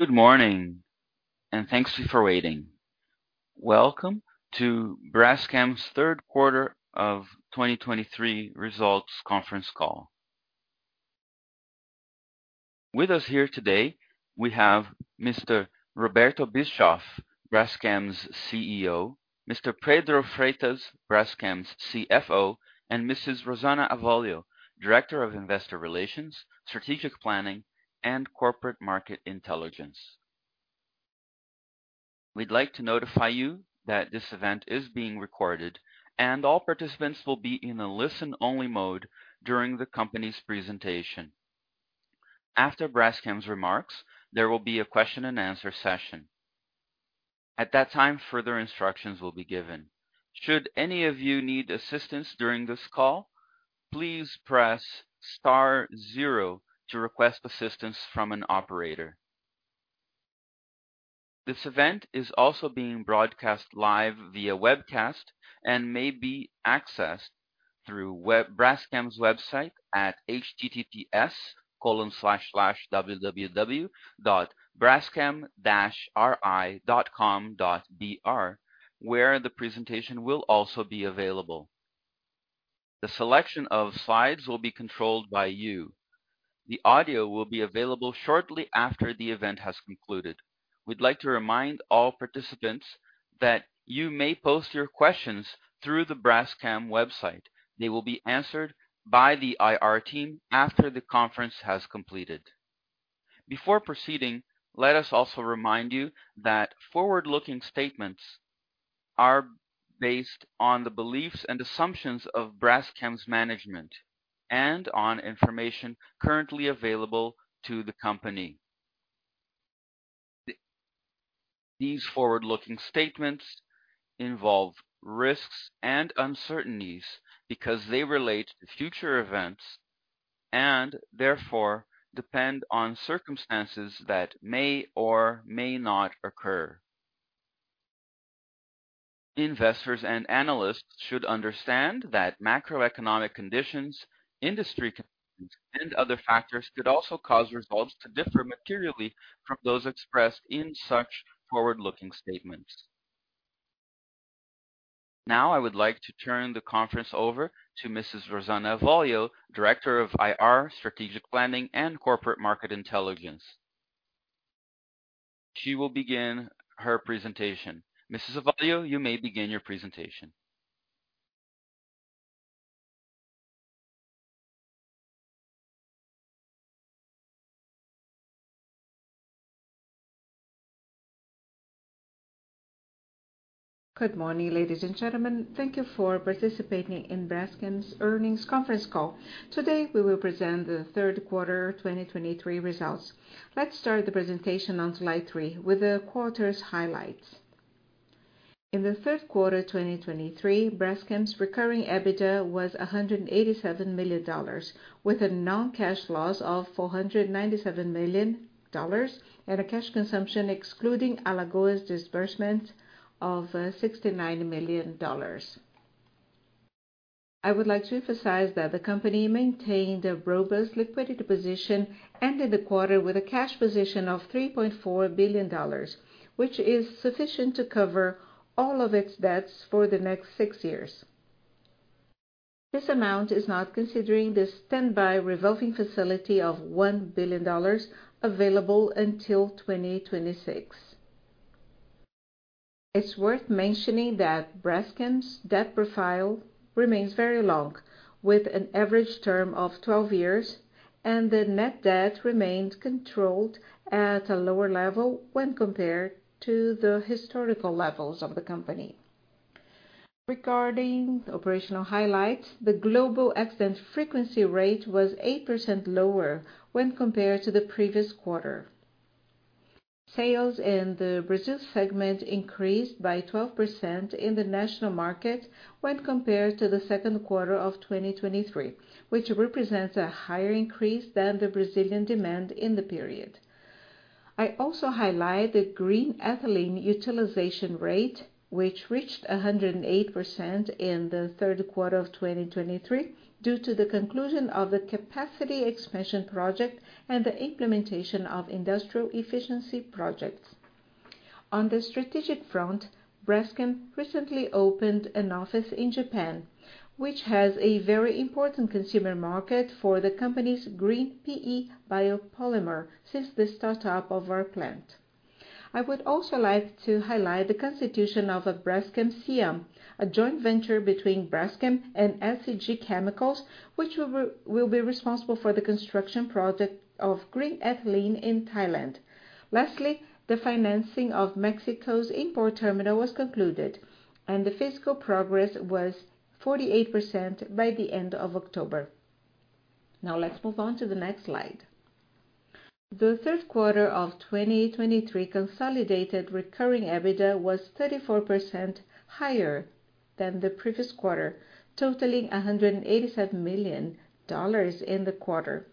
Good morning, and thanks for waiting. Welcome to Braskem's third quarter of 2023 results conference call. With us here today, we have Mr. Roberto Bischoff, Braskem's CEO, Mr Pedro Freitas, Braskem's CFO and Mrs. Rosana Avolio, Director of Investor Relations, Strategic Planning, and Corporate Market Intelligence. We'd like to notify you that this event is being recorded, and all participants will be in a listen-only mode during the company's presentation. After Braskem's remarks, there will be a question and answer session. At that time, further instructions will be given. Should any of you need assistance during this call, please press star zero to request assistance from an operator. This event is also being broadcast live via webcast and may be accessed through Braskem's website at https://www.braskem-ri.com.br, where the presentation will also be available. The selection of slides will be controlled by you. The audio will be available shortly after the event has concluded. We'd like to remind all participants that you may post your questions through the Braskem website. They will be answered by the IR team after the conference has completed. Before proceeding, let us also remind you that forward-looking statements are based on the beliefs and assumptions of Braskem's management and on information currently available to the company. These forward-looking statements involve risks and uncertainties because they relate to future events and therefore depend on circumstances that may or may not occur. Investors and analysts should understand that macroeconomic conditions, industry conditions, and other factors could also cause results to differ materially from those expressed in such forward-looking statements. Now, I would like to turn the conference over to Mrs. Rosana Avolio, Director of IR, Strategic Planning and Corporate Market Intelligence. She will begin her presentation. Mrs Avolio, you may begin your presentation. Good morning ladies and gentlemen. Thank you for participating in Braskem's earnings conference call. Today, we will present the Q3 2023 results. Let's start the presentation on slide 3 with the quarter's highlights. In the Q3 of 2023, Braskem's recurring EBITDA was $187 million, with a non-cash loss of $497 million and a cash consumption excluding Alagoas disbursement of $69 million. I would like to emphasize that the company maintained a robust liquidity position, ended the quarter with a cash position of $3.4 billion, which is sufficient to cover all of its debts for the next six years. This amount is not considering the standby revolving facility of $1 billion available until 2026. It's worth mentioning that Braskem's debt profile remains very long, with an average term of 12 years, and the net debt remained controlled at a lower level when compared to the historical levels of the company. Regarding operational highlights, the global accident frequency rate was 8% lower when compared to the previous quarter. Sales in the Brazil segment increased by 12% in the national market when compared to the second quarter of 2023, which represents a higher increase than the Brazilian demand in the period. I also highlight the green ethylene utilization rate, which reached 108% in the Q3 of 2023, due to the conclusion of the capacity expansion project and the implementation of industrial efficiency projects. On the strategic front, Braskem recently opened an office in Japan, which has a very important consumer market for the company's green PE biopolymer since the start up of our plant. I would also like to highlight the constitution of a Braskem Siam, a joint venture between Braskem and SCG Chemicals, which will be, will be responsible for the construction project of green ethylene in Thailand. Lastly, the financing of Mexico's import terminal was concluded, and the physical progress was 48% by the end of October. Now, let's move on to the next slide. The Q3 of 2023 consolidated recurring EBITDA was 34% higher than the previous quarter, totaling $187 million in the quarter.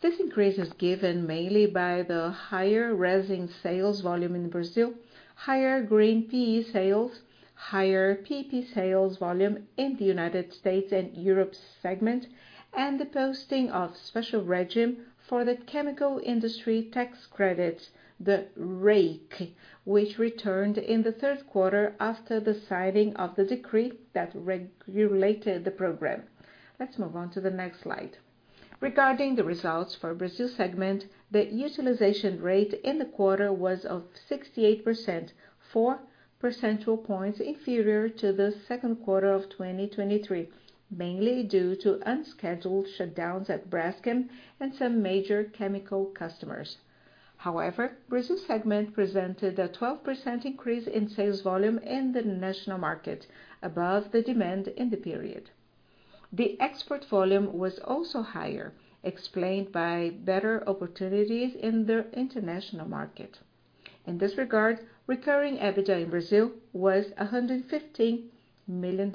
This increase is given mainly by the higher resin sales volume in Brazil, higher green PE sales, higher PP sales volume in the United States and Europe segment, and the posting of special regime for the chemical industry tax credits, the REIQ, which returned in the third quarter after the signing of the decree that regulated the program. Let's move on to the next slide. Regarding the results for Brazil segment, the utilization rate in the quarter was 68%, 4 percentage points inferior to the Q2 of 2023, mainly due to unscheduled shutdowns at Braskem and some major chemical customers. However, Brazil segment presented a 12% increase in sales volume in the national market, above the demand in the period. The export volume was also higher, explained by better opportunities in the international market. In this regard, recurring EBITDA in Brazil was $150 million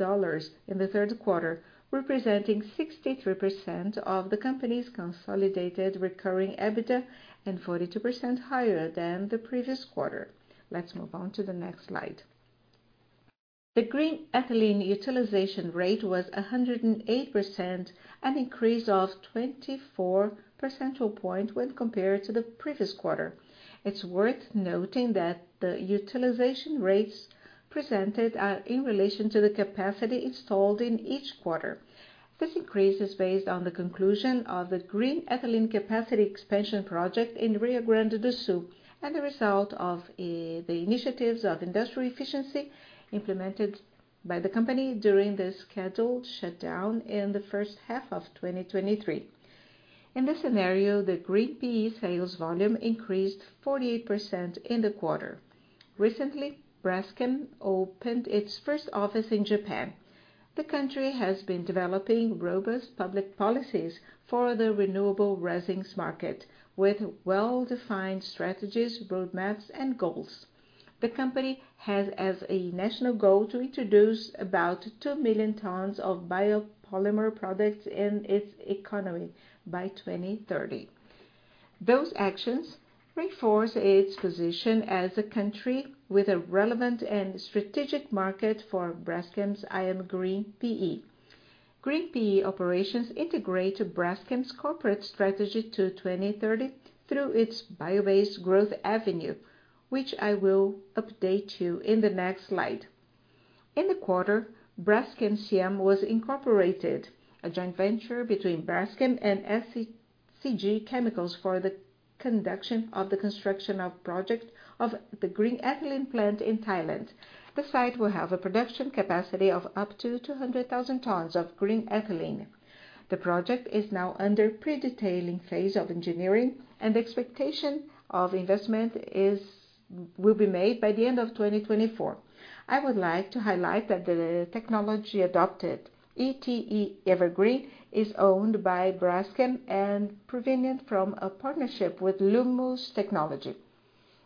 in the Q3, representing 63% of the company's consolidated recurring EBITDA, and 42% higher than the previous quarter. Let's move on to the next slide. The green ethylene utilization rate was 108%, an increase of 24 percentage point when compared to the previous quarter. It's worth noting that the utilization rates presented are in relation to the capacity installed in each quarter. This increase is based on the conclusion of the green ethylene capacity expansion project in Rio Grande do Sul, and the result of the initiatives of industrial efficiency implemented by the company during the scheduled shutdown in the first half of 2023. In this scenario, the green PE sales volume increased 48% in the quarter. Recently, Braskem opened its first office in Japan. The country has been developing robust public policies for the renewable resins market, with well-defined strategies, roadmaps, and goals. The company has as a national goal to introduce about 2 million tons of biopolymer products in its economy by 2030. Those actions reinforce its position as a country with a relevant and strategic market for Braskem's I'm green PE. Green PE operations integrate Braskem's corporate strategy to 2030 through its bio-based growth avenue, which I will update you in the next slide. In the quarter, Braskem Siam was incorporated, a joint venture between Braskem and SCG Chemicals for the conduction of the construction of project of the green ethylene plant in Thailand. The site will have a production capacity of up to 200,000 tons of green ethylene. The project is now under pre-detailing phase of engineering, and the expectation of investment will be made by the end of 2024. I would like to highlight that the technology adopted, EtE EverGreen, is owned by Braskem and prevailing from a partnership with Lummus Technology.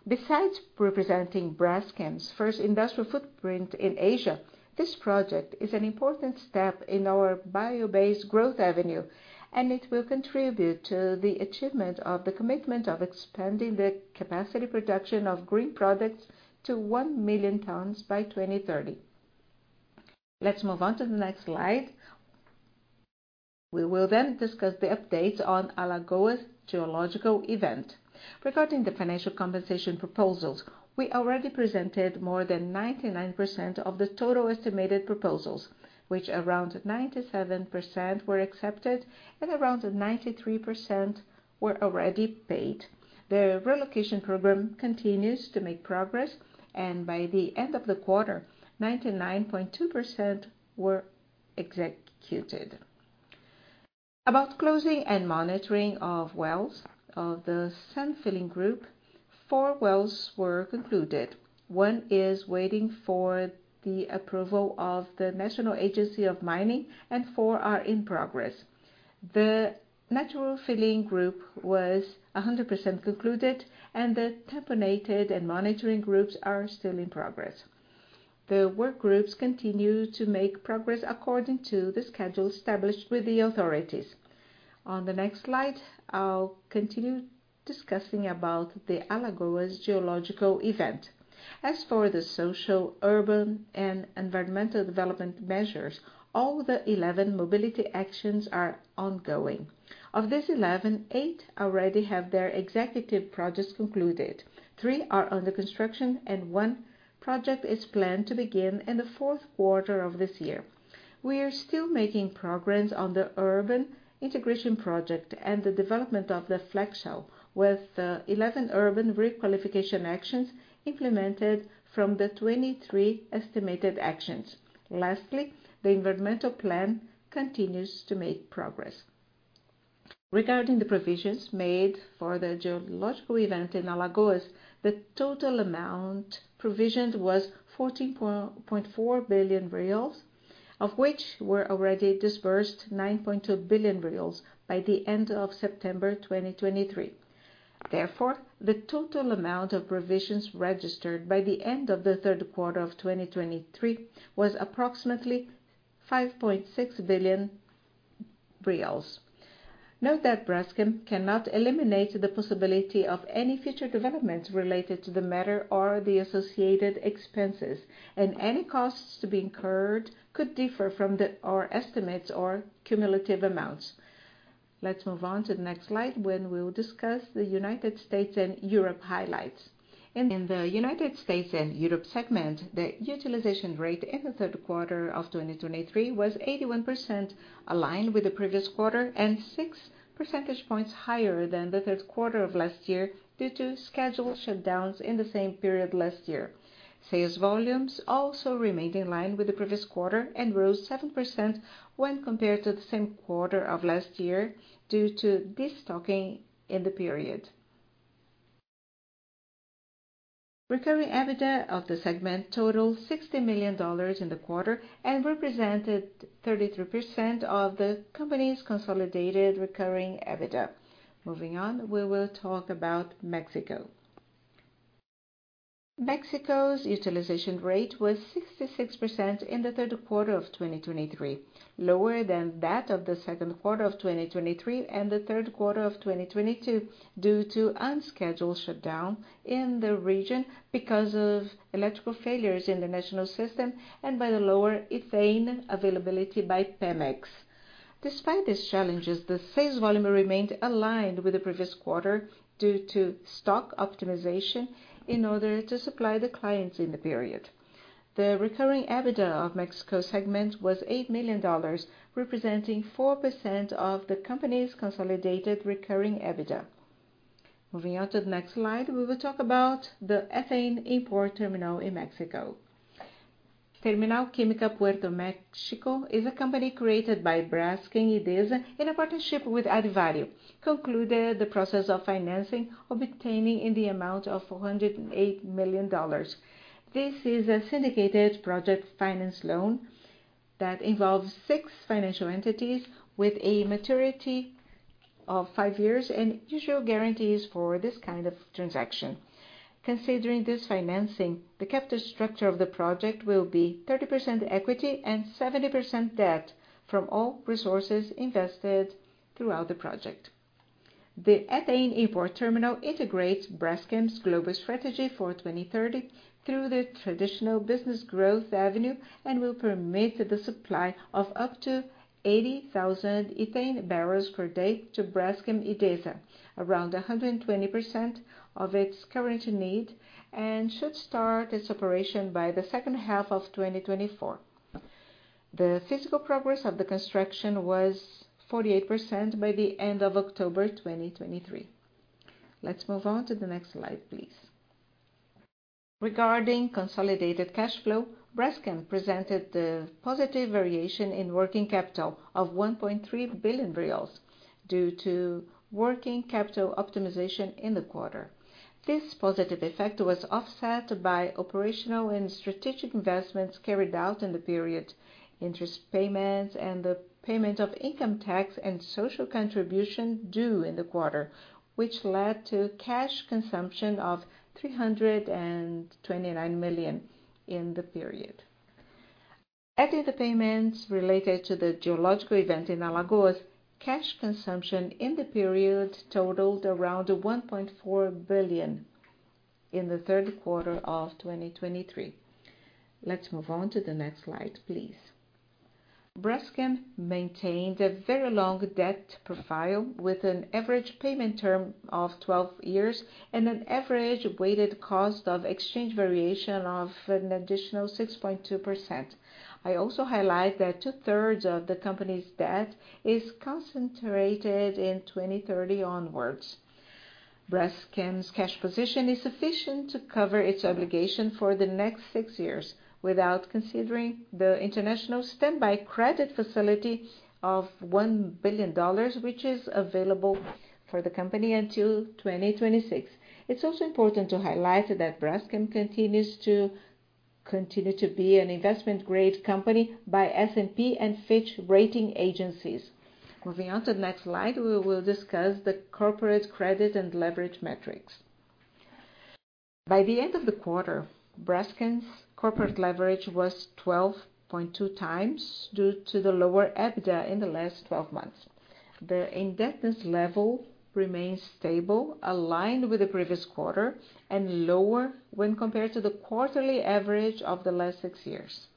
Besides representing Braskem's first industrial footprint in Asia, this project is an important step in our bio-based growth avenue, and it will contribute to the achievement of the commitment of expanding the capacity production of green products to 1 million tons by 2030. Let's move on to the next slide. We will then discuss the updates on Alagoas geological event. Regarding the financial compensation proposals, we already presented more than 99% of the total estimated proposals, which around 97% were accepted and around 93% were already paid. The relocation program continues to make progress, and by the end of the quarter, 99.2% were executed. About closing and monitoring of wells of the sand filling group, four wells were concluded. One is waiting for the approval of the National Agency of Mining, and four are in progress. The natural filling group was 100% concluded, and the tamponaded and monitoring groups are still in progress. The work groups continue to make progress according to the schedule established with the authorities. On the next slide, I'll continue discussing about the Alagoas geological event. As for the social, urban, and environmental development measures, all the 11 mobility actions are ongoing. Of these 11, eight already have their executive projects concluded, three are under construction, and one project is planned to begin in the Q4 of this year. We are still making progress on the urban integration project and the development of the Flexais, with 11 urban requalification actions implemented from the 23 estimated actions. Lastly, the environmental plan continues to make progress. Regarding the provisions made for the geological event in Alagoas, the total amount provisioned was 14.4 billion reais, of which were already disbursed 9.2 billion reais by the end of September 2023. Therefore, the total amount of provisions registered by the end of the third quarter of 2023 was approximately 5.6 billion reais. Note that Braskem cannot eliminate the possibility of any future developments related to the matter or the associated expenses, and any costs to be incurred could differ from the, our estimates or cumulative amounts. Let's move on to the next slide, when we'll discuss the United States and Europe highlights. In the United States and Europe segment, the utilization rate in the third quarter of 2023 was 81%, aligned with the previous quarter, and six percentage points higher than the third quarter of last year, due to scheduled shutdowns in the same period last year. Sales volumes also remained in line with the previous quarter and rose 7% when compared to the same quarter of last year, due to destocking in the period. Recurring EBITDA of the segment totaled $60 million in the quarter and represented 33% of the company's consolidated recurring EBITDA. Moving on, we will talk about Mexico. Mexico's utilization rate was 66% in the third quarter of 2023, lower than that of the Q2 of 2023 and the Q3 of 2022, due to unscheduled shutdown in the region because of electrical failures in the national system and by the lower ethane availability by Pemex. Despite these challenges, the sales volume remained aligned with the previous quarter due to stock optimization in order to supply the clients in the period. The recurring EBITDA of Mexico segment was $8 million, representing 4% of the company's consolidated recurring EBITDA. Moving on to the next slide, we will talk about the Ethane Import Terminal in Mexico. Terminal Química Puerto México is a company created by Braskem Idesa in a partnership with Advario, concluded the process of financing, obtaining in the amount of $408 million. This is a syndicated project finance loan that involves six financial entities with a maturity of 5 years and usual guarantees for this kind of transaction. Considering this financing, the capital structure of the project will be 30% equity and 70% debt from all resources invested throughout the project. The Ethane Import Terminal integrates Braskem's global strategy for 2030 through the traditional business growth avenue and will permit the supply of up to 80,000 ethane barrels per day to Braskem Idesa, around 120% of its current need, and should start its operation by the second half of 2024. The physical progress of the construction was 48% by the end of October 2023. Let's move on to the next slide, please. Regarding consolidated cash flow, Braskem presented the positive variation in working capital of 1.3 billion reais due to working capital optimization in the quarter. This positive effect was offset by operational and strategic investments carried out in the period, interest payments and the payment of income tax and social contribution due in the quarter, which led to cash consumption of 329 million in the period. Adding the payments related to the geological event in Alagoas, cash consumption in the period totaled around 1.4 billion in the Q3 of 2023. Let's move on to the next slide, please. Braskem maintained a very long debt profile, with an average payment term of 12 years and an average weighted cost of exchange variation of an additional 6.2%. I also highlight that two-thirds of the company's debt is concentrated in 2030 onwards. Braskem's cash position is sufficient to cover its obligation for the next 6 years, without considering the international standby credit facility of $1 billion, which is available for the company until 2026. It's also important to highlight that Braskem continues to be an investment-grade company by S&P and Fitch rating agencies. Moving on to the next slide, we will discuss the corporate credit and leverage metrics. By the end of the quarter, Braskem's corporate leverage was 12.2x due to the lower EBITDA in the last 12 months. The indebtedness level remains stable, aligned with the previous quarter, and lower when compared to the quarterly average of the last 6 years.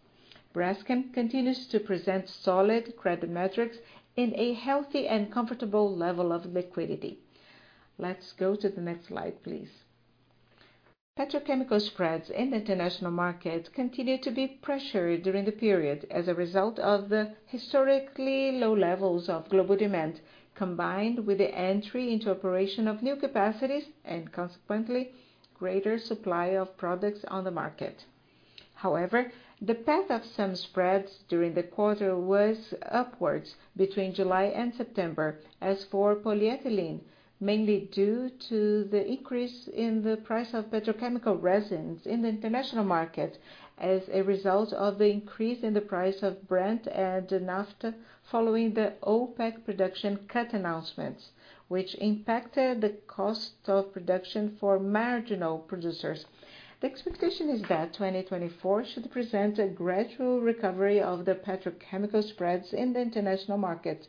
Braskem continues to present solid credit metrics in a healthy and comfortable level of liquidity. Let's go to the next slide, please. Petrochemical spreads in the international market continued to be pressured during the period as a result of the historically low levels of global demand, combined with the entry into operation of new capacities and consequently greater supply of products on the market. However, the path of some spreads during the quarter was upward between July and September. As for polyethylene, mainly due to the increase in the price of petrochemical resins in the international market, as a result of the increase in the price of Brent and naphtha, following the OPEC production cut announcements, which impacted the cost of production for marginal producers. The expectation is that 2024 should present a gradual recovery of the petrochemical spreads in the international market,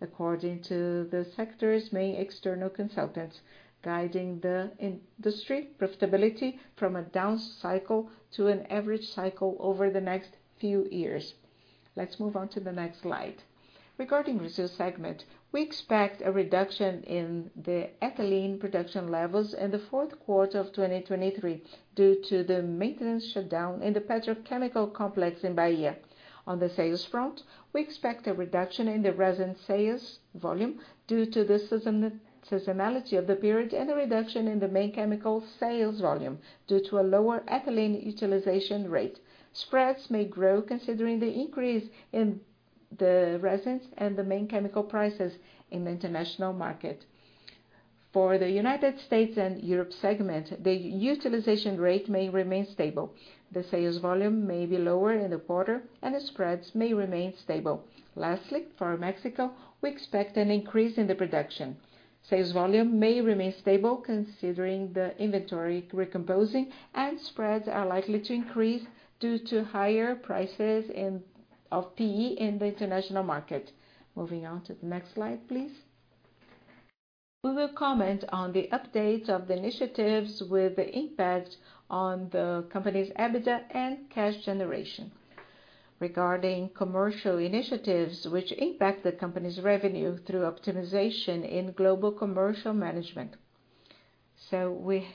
according to the sector's main external consultants, guiding the industry profitability from a down cycle to an average cycle over the next few years. Let's move on to the next slide. Regarding Brazil segment, we expect a reduction in the ethylene production levels in the fourth quarter of 2023, due to the maintenance shutdown in the petrochemical complex in Bahia. On the sales front, we expect a reduction in the resin sales volume due to the season, seasonality of the period, and a reduction in the main chemical sales volume due to a lower ethylene utilization rate. Spreads may grow, considering the increase in the resins and the main chemical prices in the international market. For the United States and Europe segment, the utilization rate may remain stable. The sales volume may be lower in the quarter and the spreads may remain stable. Lastly, for Mexico, we expect an increase in the production. Sales volume may remain stable, considering the inventory recomposing and spreads are likely to increase due to higher prices of PE in the international market. Moving on to the next slide, please. We will comment on the updates of the initiatives with the impact on the company's EBITDA and cash generation. Regarding commercial initiatives, which impact the company's revenue through optimization in global commercial management. So we,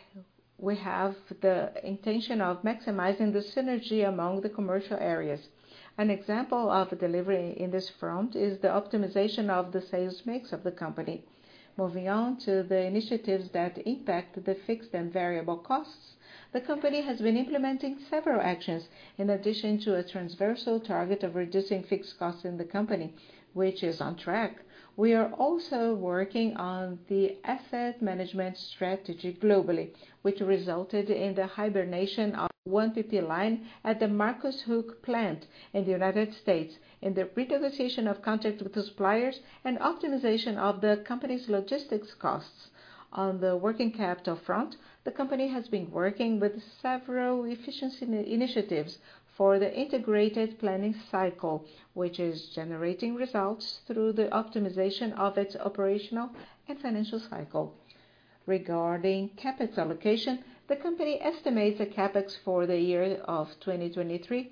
we have the intention of maximizing the synergy among the commercial areas. An example of delivery in this front is the optimization of the sales mix of the company. Moving on to the initiatives that impact the fixed and variable costs. The company has been implementing several actions. In addition to a transversal target of reducing fixed costs in the company, which is on track, we are also working on the asset management strategy globally, which resulted in the hibernation of one PP line at the Marcus Hook plant in the United States, in the renegotiation of contracts with suppliers and optimization of the company's logistics costs. On the working capital front, the company has been working with several efficiency initiatives for the integrated planning cycle, which is generating results through the optimization of its operational and financial cycle. Regarding CapEx allocation, the company estimates a CapEx for the year of 2023,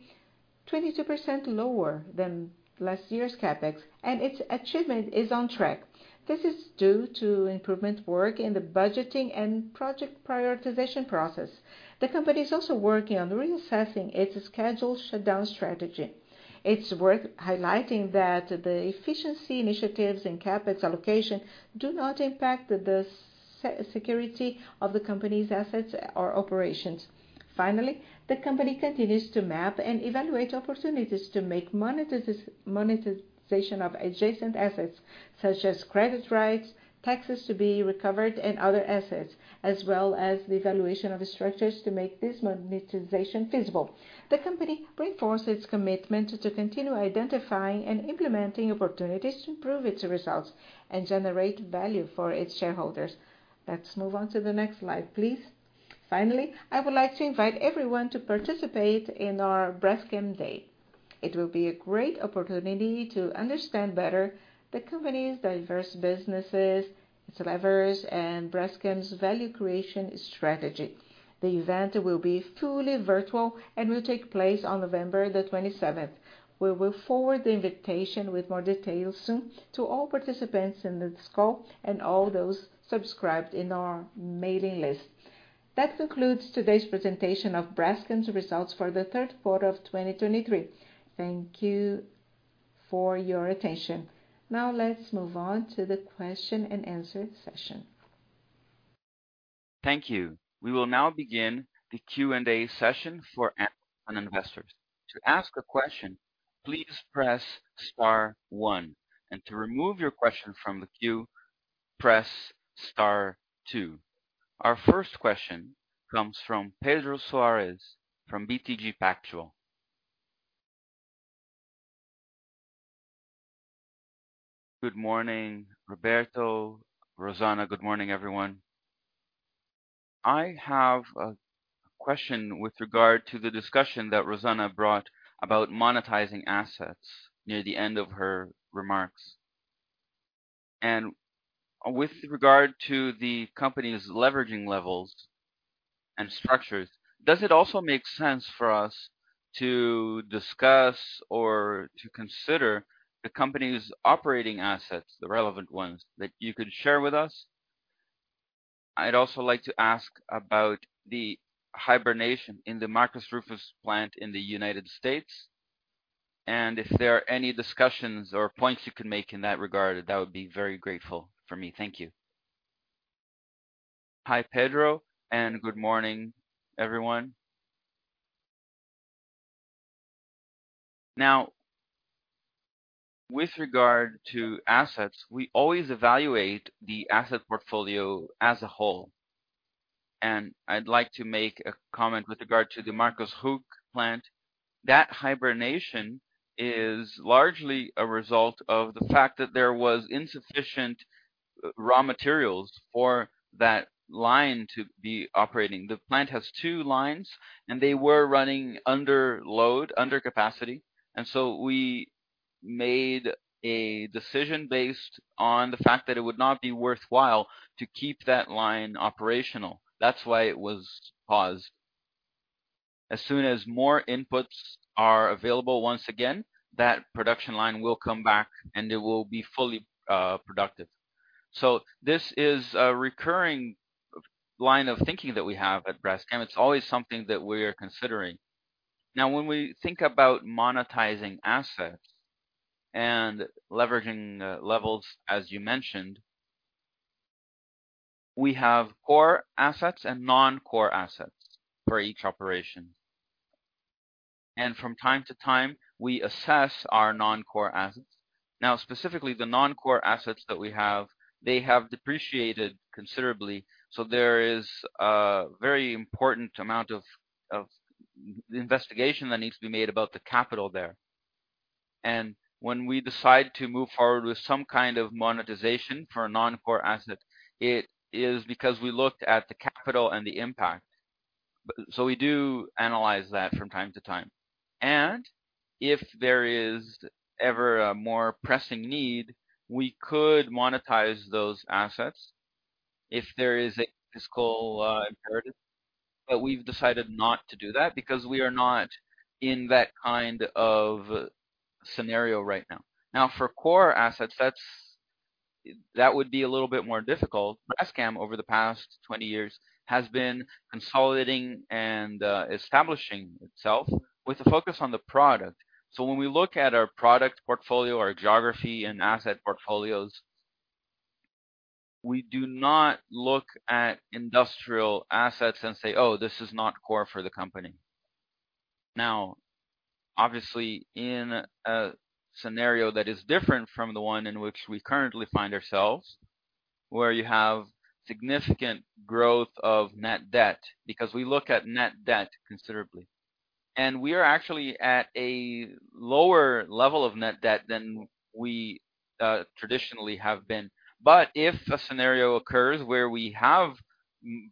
22% lower than last year's CapEx, and its achievement is on track. This is due to improvement work in the budgeting and project prioritization process. The company is also working on reassessing its scheduled shutdown strategy. It's worth highlighting that the efficiency initiatives and CapEx allocation do not impact the security of the company's assets or operations. Finally, the company continues to map and evaluate opportunities to make monetization of adjacent assets, such as credit rights, taxes to be recovered and other assets, as well as the evaluation of structures to make this monetization feasible. The company reinforces commitment to continue identifying and implementing opportunities to improve its results and generate value for its shareholders. Let's move on to the next slide, please. Finally, I would like to invite everyone to participate in our Braskem Day. It will be a great opportunity to understand better the company's diverse businesses, its levers, and Braskem's value creation strategy. The event will be fully virtual and will take place on November the 27th. We will forward the invitation with more details soon to all participants in the scope and all those subscribed in our mailing list. That concludes today's presentation of Braskem's results for the Q3 of 2023. Thank you for your attention. Now, let's move on to the question and answer session. Thank you. We will now begin the Q&A session for analysts and investors. To ask a question, please press star one, and to remove your question from the queue, press star two. Our first question comes from Pedro Soares, from BTG Pactual. Good morning, Roberto, Rosana. Good morning, everyone. I have a question with regard to the discussion that Rosana brought about monetizing assets near the end of her remarks. With regard to the company's leveraging levels and structures, does it also make sense for us to discuss or to consider the company's operating assets, the relevant ones, that you could share with us? I'd also like to ask about the hibernation in the Marcus Hook plant in the United States, and if there are any discussions or points you can make in that regard, that would be very grateful for me. Thank you. Hi Pedro and good morning everyone. Now, with regard to assets, we always evaluate the asset portfolio as a whole, and I'd like to make a comment with regard to the Marcus Hook plant. That hibernation is largely a result of the fact that there was insufficient raw materials for that line to be operating. The plant has two lines, and they were running under load, under capacity, and so we made a decision based on the fact that it would not be worthwhile to keep that line operational. That's why it was paused. As soon as more inputs are available once again, that production line will come back, and it will be fully productive. So this is a recurring line of thinking that we have at Braskem. It's always something that we are considering. Now, when we think about monetizing assets and leveraging levels, as you mentioned, we have core assets and non-core assets for each operation. From time to time, we assess our non-core assets. Now, specifically, the non-core assets that we have, they have depreciated considerably, so there is a very important amount of investigation that needs to be made about the capital there. When we decide to move forward with some kind of monetization for a non-core asset, it is because we looked at the capital and the impact. We do analyze that from time to time. If there is ever a more pressing need, we could monetize those assets if there is a fiscal imperative, but we've decided not to do that because we are not in that kind of scenario right now. Now, for core assets, that's... That would be a little bit more difficult. Braskem, over the past 20 years, has been consolidating and, establishing itself with a focus on the product. So when we look at our product portfolio, our geography and asset portfolios, we do not look at industrial assets and say, "Oh, this is not core for the company." Now, obviously, in a scenario that is different from the one in which we currently find ourselves, where you have significant growth of net debt, because we look at net debt considerably, and we are actually at a lower level of net debt than we, traditionally have been. But if a scenario occurs where we have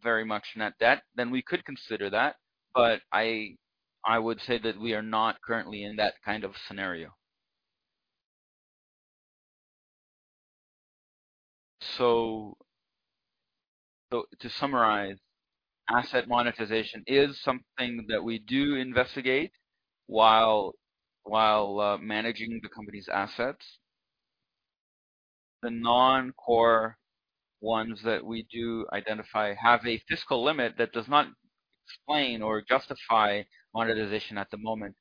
very much net debt, then we could consider that. But I, I would say that we are not currently in that kind of scenario. So, to summarize, asset monetization is something that we do investigate while managing the company's assets. The non-core ones that we do identify have a fiscal limit that does not explain or justify monetization at the moment.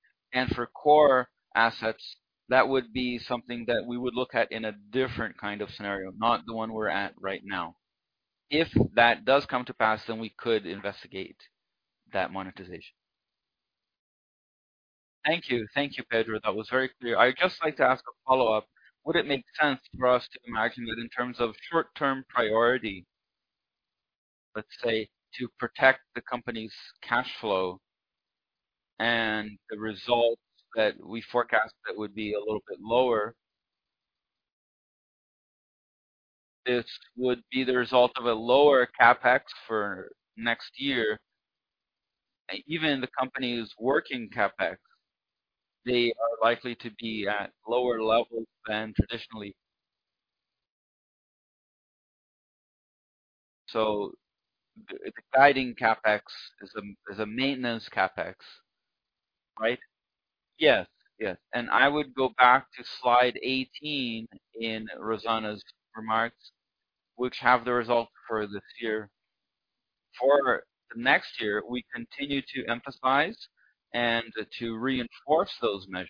For core assets, that would be something that we would look at in a different kind of scenario, not the one we're at right now. If that does come to pass, then we could investigate that monetization. Thank you. Thank you, Pedro. That was very clear. I'd just like to ask a follow-up. Would it make sense for us to imagine that in terms of short-term priority, let's say, to protect the company's cash flow and the results that we forecast, that would be a little bit lower? This would be the result of a lower CapEx for next year. Even the company's working CapEx, they are likely to be at lower levels than traditionally. So the guiding CapEx is a, is a maintenance CapEx, right? Yes, yes. And I would go back to slide 18 in Rosana's remarks, which have the results for this year. For the next year, we continue to emphasize and to reinforce those measures.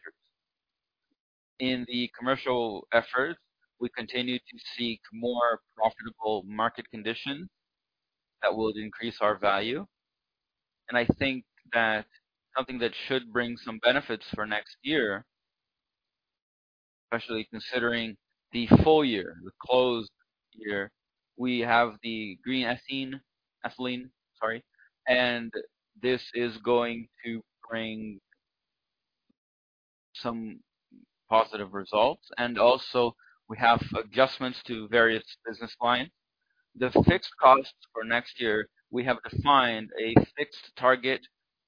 In the commercial efforts, we continue to seek more profitable market conditions that will increase our value. And I think that something that should bring some benefits for next year, especially considering the full year, the closed year, we have the green ethylene, sorry, and this is going to bring some positive results. And also, we have adjustments to various business lines. The fixed costs for next year, we have defined a fixed target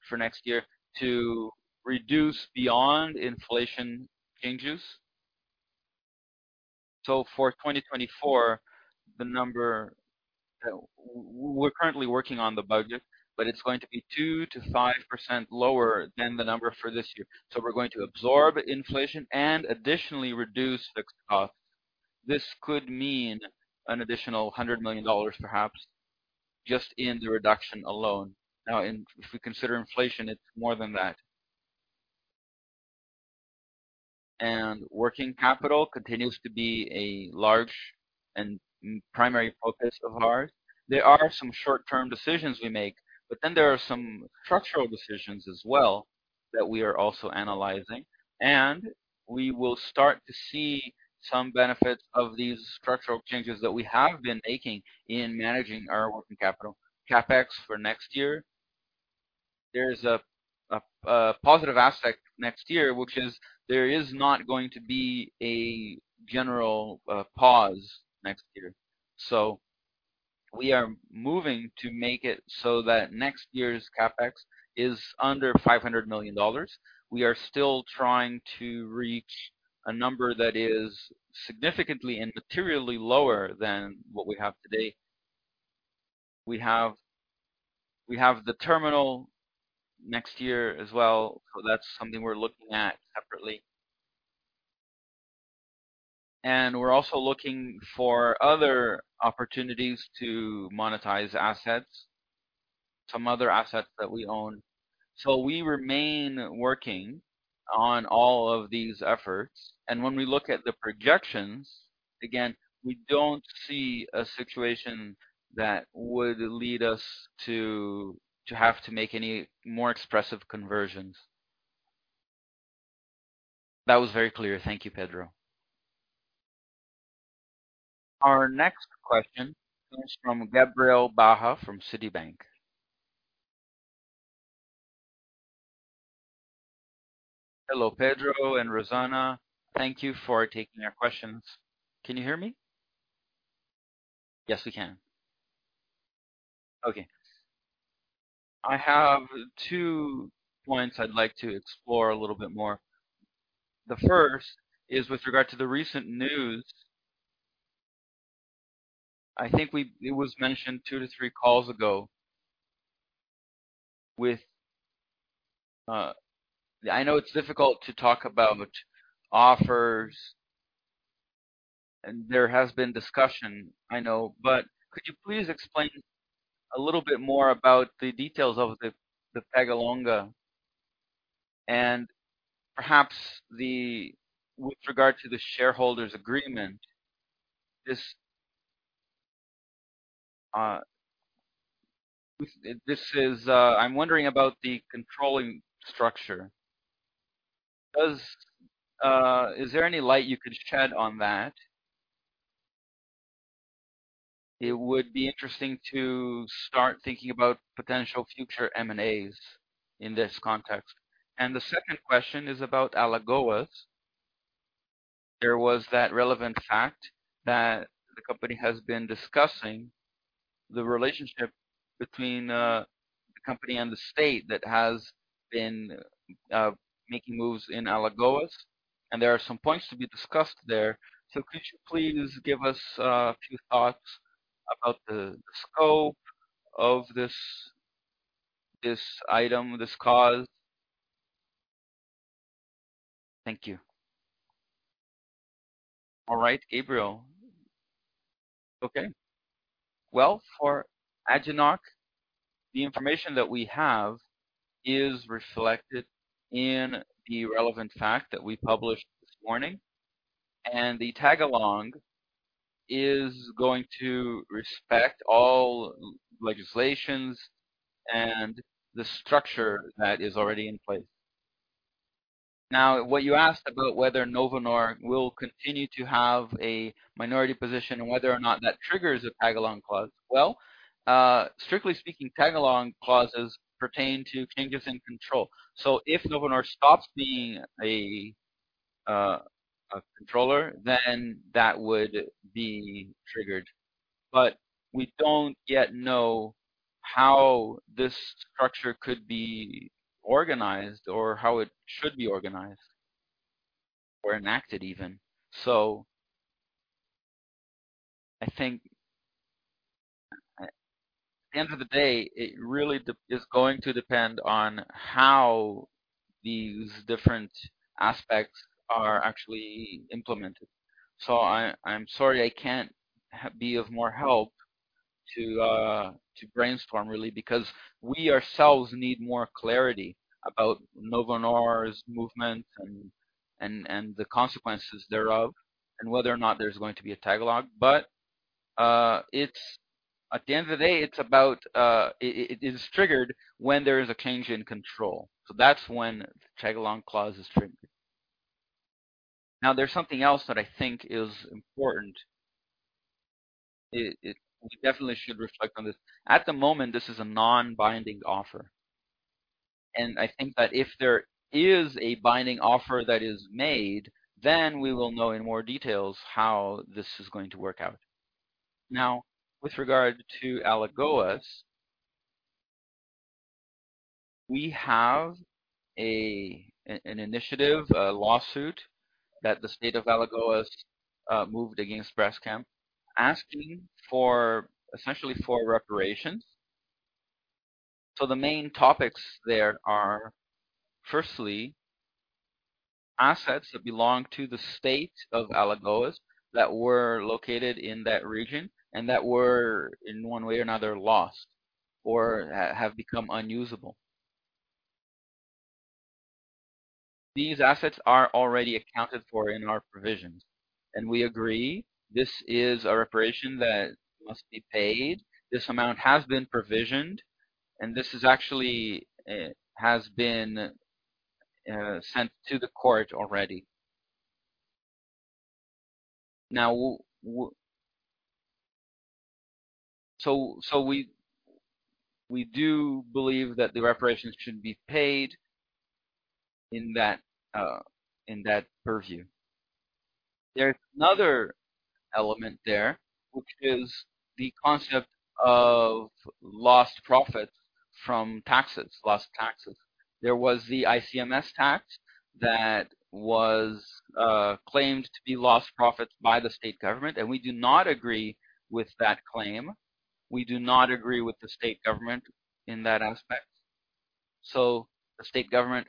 for next year to reduce beyond inflation changes. So for 2024, the number... We're currently working on the budget, but it's going to be 2% to 5% lower than the number for this year. So we're going to absorb inflation and additionally reduce fixed costs. This could mean an additional $100 million, perhaps, just in the reduction alone. Now, if we consider inflation, it's more than that. Working capital continues to be a large and primary focus of ours. There are some short-term decisions we make, but then there are some structural decisions as well that we are also analyzing, and we will start to see some benefits of these structural changes that we have been making in managing our working capital. CapEx for next year, there is a positive aspect next year, which is there is not going to be a general pause next year. So we are moving to make it so that next year's CapEx is under $500 million. We are still trying to reach a number that is significantly and materially lower than what we have today. We have the terminal next year as well. So that's something we're looking at separately. And we're also looking for other opportunities to monetize assets, some other assets that we own. So we remain working on all of these efforts, and when we look at the projections, again, we don't see a situation that would lead us to have to make any more expressive conversions. That was very clear. Thank you Pedro. Our next question comes from Gabriel Barra from Citibank. Hello, Pedro and Rosana. Thank you for taking our questions. Can you hear me? Yes, we can. Okay. I have two points I'd like to explore a little bit more. The first is with regard to the recent news. I think it was mentioned 2 to 3 calls ago with. I know it's difficult to talk about offers, and there has been discussion, I know, but could you please explain a little bit more about the details of the tag-along, and perhaps with regard to the shareholders' agreement, this is. I'm wondering about the controlling structure. Is there any light you could shed on that? It would be interesting to start thinking about potential future M&As in this context. And the second question is about Alagoas. There was that relevant fact that the company has been discussing the relationship between the company and the state that has been making moves in Alagoas, and there are some points to be discussed there. So could you please give us a few thoughts about the scope of this item, this cause? Thank you. All right, Gabriel. Okay. Well, for Alagoas, the information that we have is reflected in the relevant fact that we published this morning, and the tag-along is going to respect all legislations and the structure that is already in place. Now, what you asked about whether Novonor will continue to have a minority position and whether or not that triggers a tag-along clause. Well, strictly speaking, tag-along clauses pertain to changes in control. So if Novonor stops being a controller, then that would be triggered. But we don't yet know how this structure could be organized or how it should be organized or enacted even. So I think, at the end of the day, it really is going to depend on how these different aspects are actually implemented. So I'm sorry, I can't be of more help to brainstorm, really, because we ourselves need more clarity about Novonor's movement and the consequences thereof, and whether or not there's going to be a tag-along. But it's at the end of the day, it's about it is triggered when there is a change in control. So that's when the tag-along clause is triggered. Now, there's something else that I think is important. We definitely should reflect on this. At the moment, this is a non-binding offer, and I think that if there is a binding offer that is made, then we will know in more details how this is going to work out. Now, with regard to Alagoas, we have an initiative, a lawsuit, that the state of Alagoas moved against Braskem, asking for, essentially, reparations. So the main topics there are, firstly, assets that belong to the state of Alagoas that were located in that region and that were, in one way or another, lost or have become unusable. These assets are already accounted for in our provisions, and we agree this is a reparation that must be paid. This amount has been provisioned, and this is actually has been sent to the court already. Now, so we do believe that the reparations should be paid in that purview. There's another element there, which is the concept of lost profits from taxes, lost taxes. There was the ICMS tax that was claimed to be lost profits by the state government, and we do not agree with that claim. We do not agree with the state government in that aspect. So the state government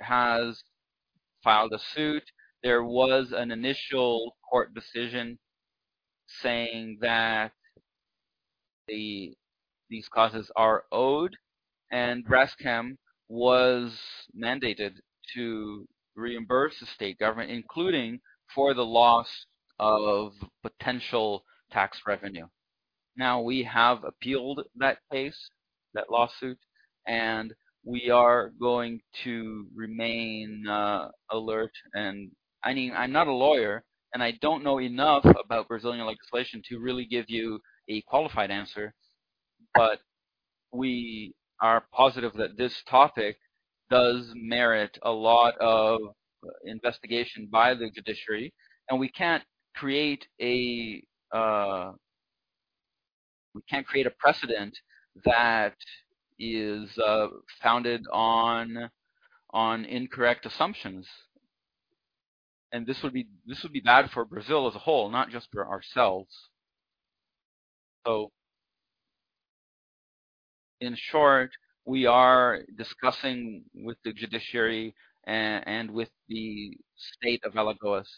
has filed a suit. There was an initial court decision saying that these causes are owed, and Braskem was mandated to reimburse the state government, including for the loss of potential tax revenue. Now, we have appealed that case, that lawsuit, and we are going to remain alert. And I mean, I'm not a lawyer, and I don't know enough about Brazilian legislation to really give you a qualified answer. But we are positive that this topic does merit a lot of investigation by the judiciary, and we can't create a precedent that is founded on incorrect assumptions. And this would be bad for Brazil as a whole, not just for ourselves. So in short, we are discussing with the judiciary and with the state of Alagoas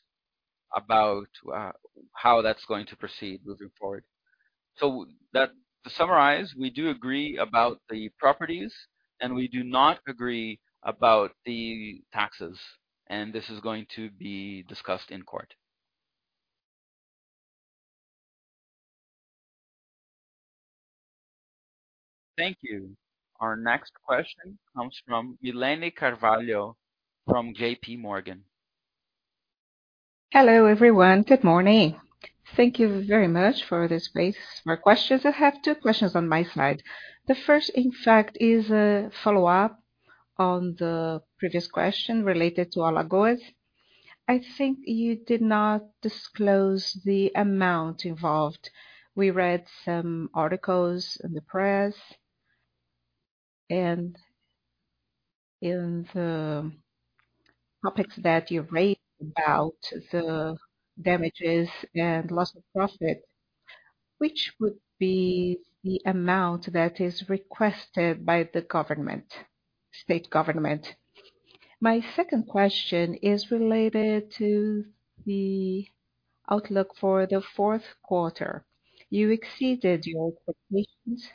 about how that's going to proceed moving forward. So that... To summarize, we do agree about the properties, and we do not agree about the taxes, and this is going to be discussed in court. Thank you. Our next question comes from Milene Carvalho, from JP Morgan. Hello everyone. Good morning. Thank you very much for the space for questions. I have 2 questions on my side. The first, in fact, is a follow-up on the previous question related to Alagoas. I think you did not disclose the amount involved. We read some articles in the press and in the topics that you raised about the damages and loss of profit, which would be the amount that is requested by the government, state government? My second question is related to the outlook for the Q4. You exceeded your expectations.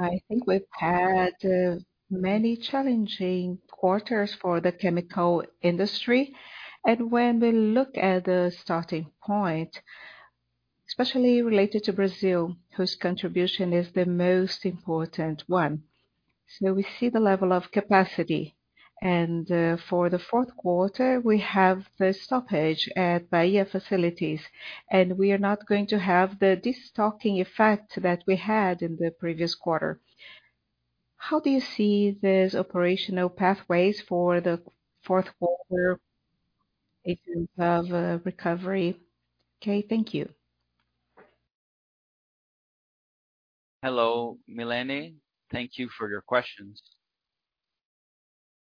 I think we've had many challenging quarters for the chemical industry, and when we look at the starting point, especially related to Brazil, whose contribution is the most important one. We see the level of capacity, and for the Q4, we have the stoppage at Bahia facilities, and we are not going to have the destocking effect that we had in the previous quarter. How do you see these operational pathways for the Q4 in terms of recovery? Okay, thank you. Hello, Milene. Thank you for your questions.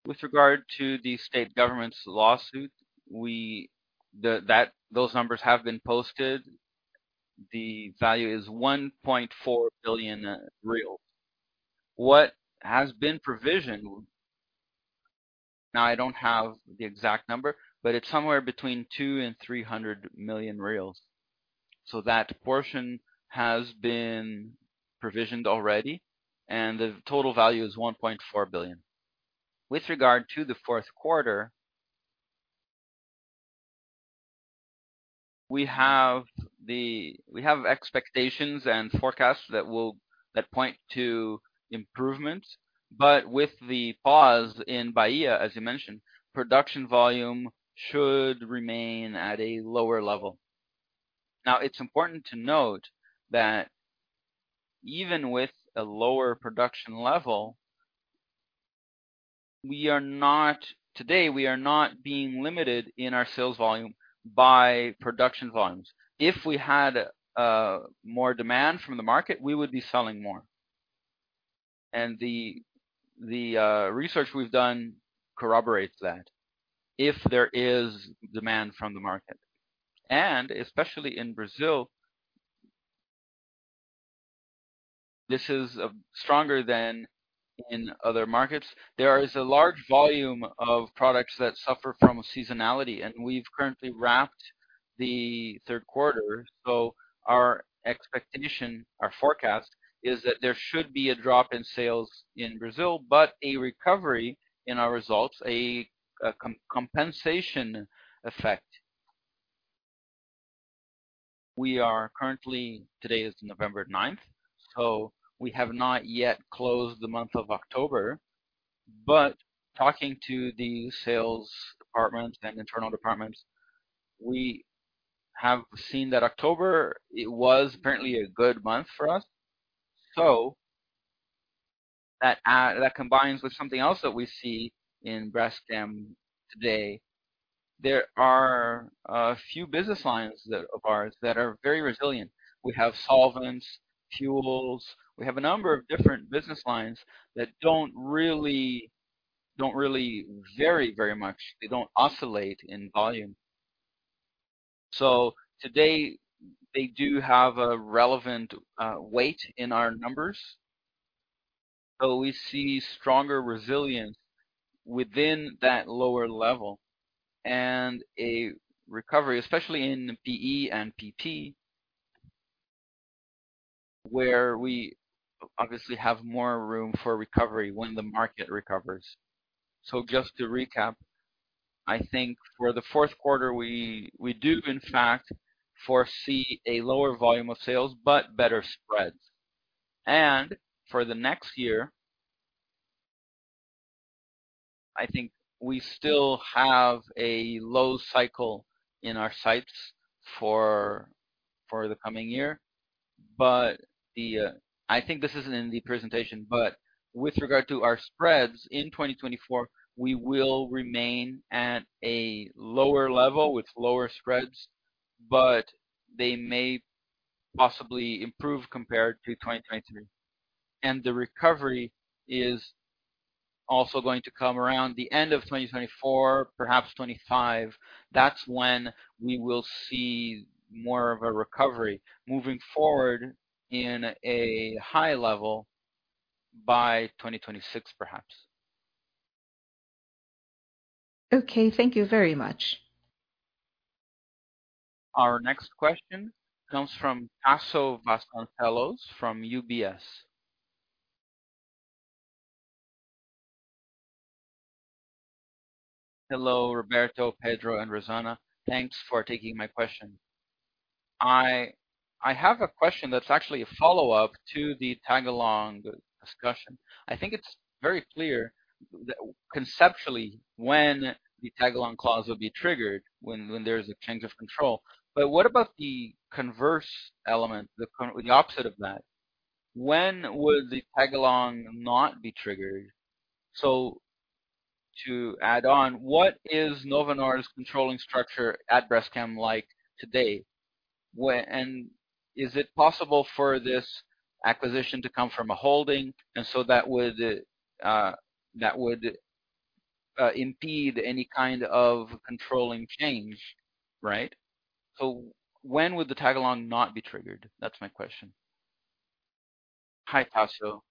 With regard to the state government's lawsuit, we, those numbers have been posted. The value is 1.4 billion real. What has been provisioned... Now, I don't have the exact number, but it's somewhere between 200 million and 300 million. So that portion has been provisioned already, and the total value is 1.4 billion. With regard to the Q4, we have expectations and forecasts that point to improvement. But with the pause in Bahia, as you mentioned, production volume should remain at a lower level. Now, it's important to note that even with a lower production level, we are not... Today, we are not being limited in our sales volume by production volumes. If we had more demand from the market, we would be selling more. The research we've done corroborates that, if there is demand from the market, especially in Brazil. This is stronger than in other markets. There is a large volume of products that suffer from seasonality, and we've currently wrapped the third quarter. So our expectation, our forecast, is that there should be a drop in sales in Brazil, but a recovery in our results, a compensation effect. We are currently. Today is November ninth, so we have not yet closed the month of October. But talking to the sales departments and internal departments, we have seen that October, it was apparently a good month for us. So that combines with something else that we see in Braskem today. There are a few business lines that of ours that are very resilient. We have solvents, fuels. We have a number of different business lines that don't really, don't really vary very much. They don't oscillate in volume. So today, they do have a relevant weight in our numbers. So we see stronger resilience within that lower level and a recovery, especially in PE and PP, where we obviously have more room for recovery when the market recovers. So just to recap, I think for the Q4, we do in fact foresee a lower volume of sales, but better spreads. And for the next year, I think we still have a low cycle in our sights for the coming year. But I think this is in the presentation, but with regard to our spreads in 2024, we will remain at a lower level with lower spreads, but they may possibly improve compared to 2023. The recovery is also going to come around the end of 2024, perhaps 2025. That's when we will see more of a recovery moving forward in a high level by 2026, perhaps. Okay, thank you very much. Our next question comes from Tasso Vasconcelos from UBS. Hello Roberto, Pedro, and Rosana. Thanks for taking my question. I have a question that's actually a follow-up to the tag-along discussion. I think it's very clear that conceptually, when the tag-along clause will be triggered, when there's a change of control. But what about the converse element, the opposite of that? When would the tag-along not be triggered? So to add on, what is Novonor's controlling structure at Braskem like today? And is it possible for this acquisition to come from a holding, and so that would impede any kind of controlling change, right? So when would the tag-along not be triggered? That's my question. Hi, Tasso.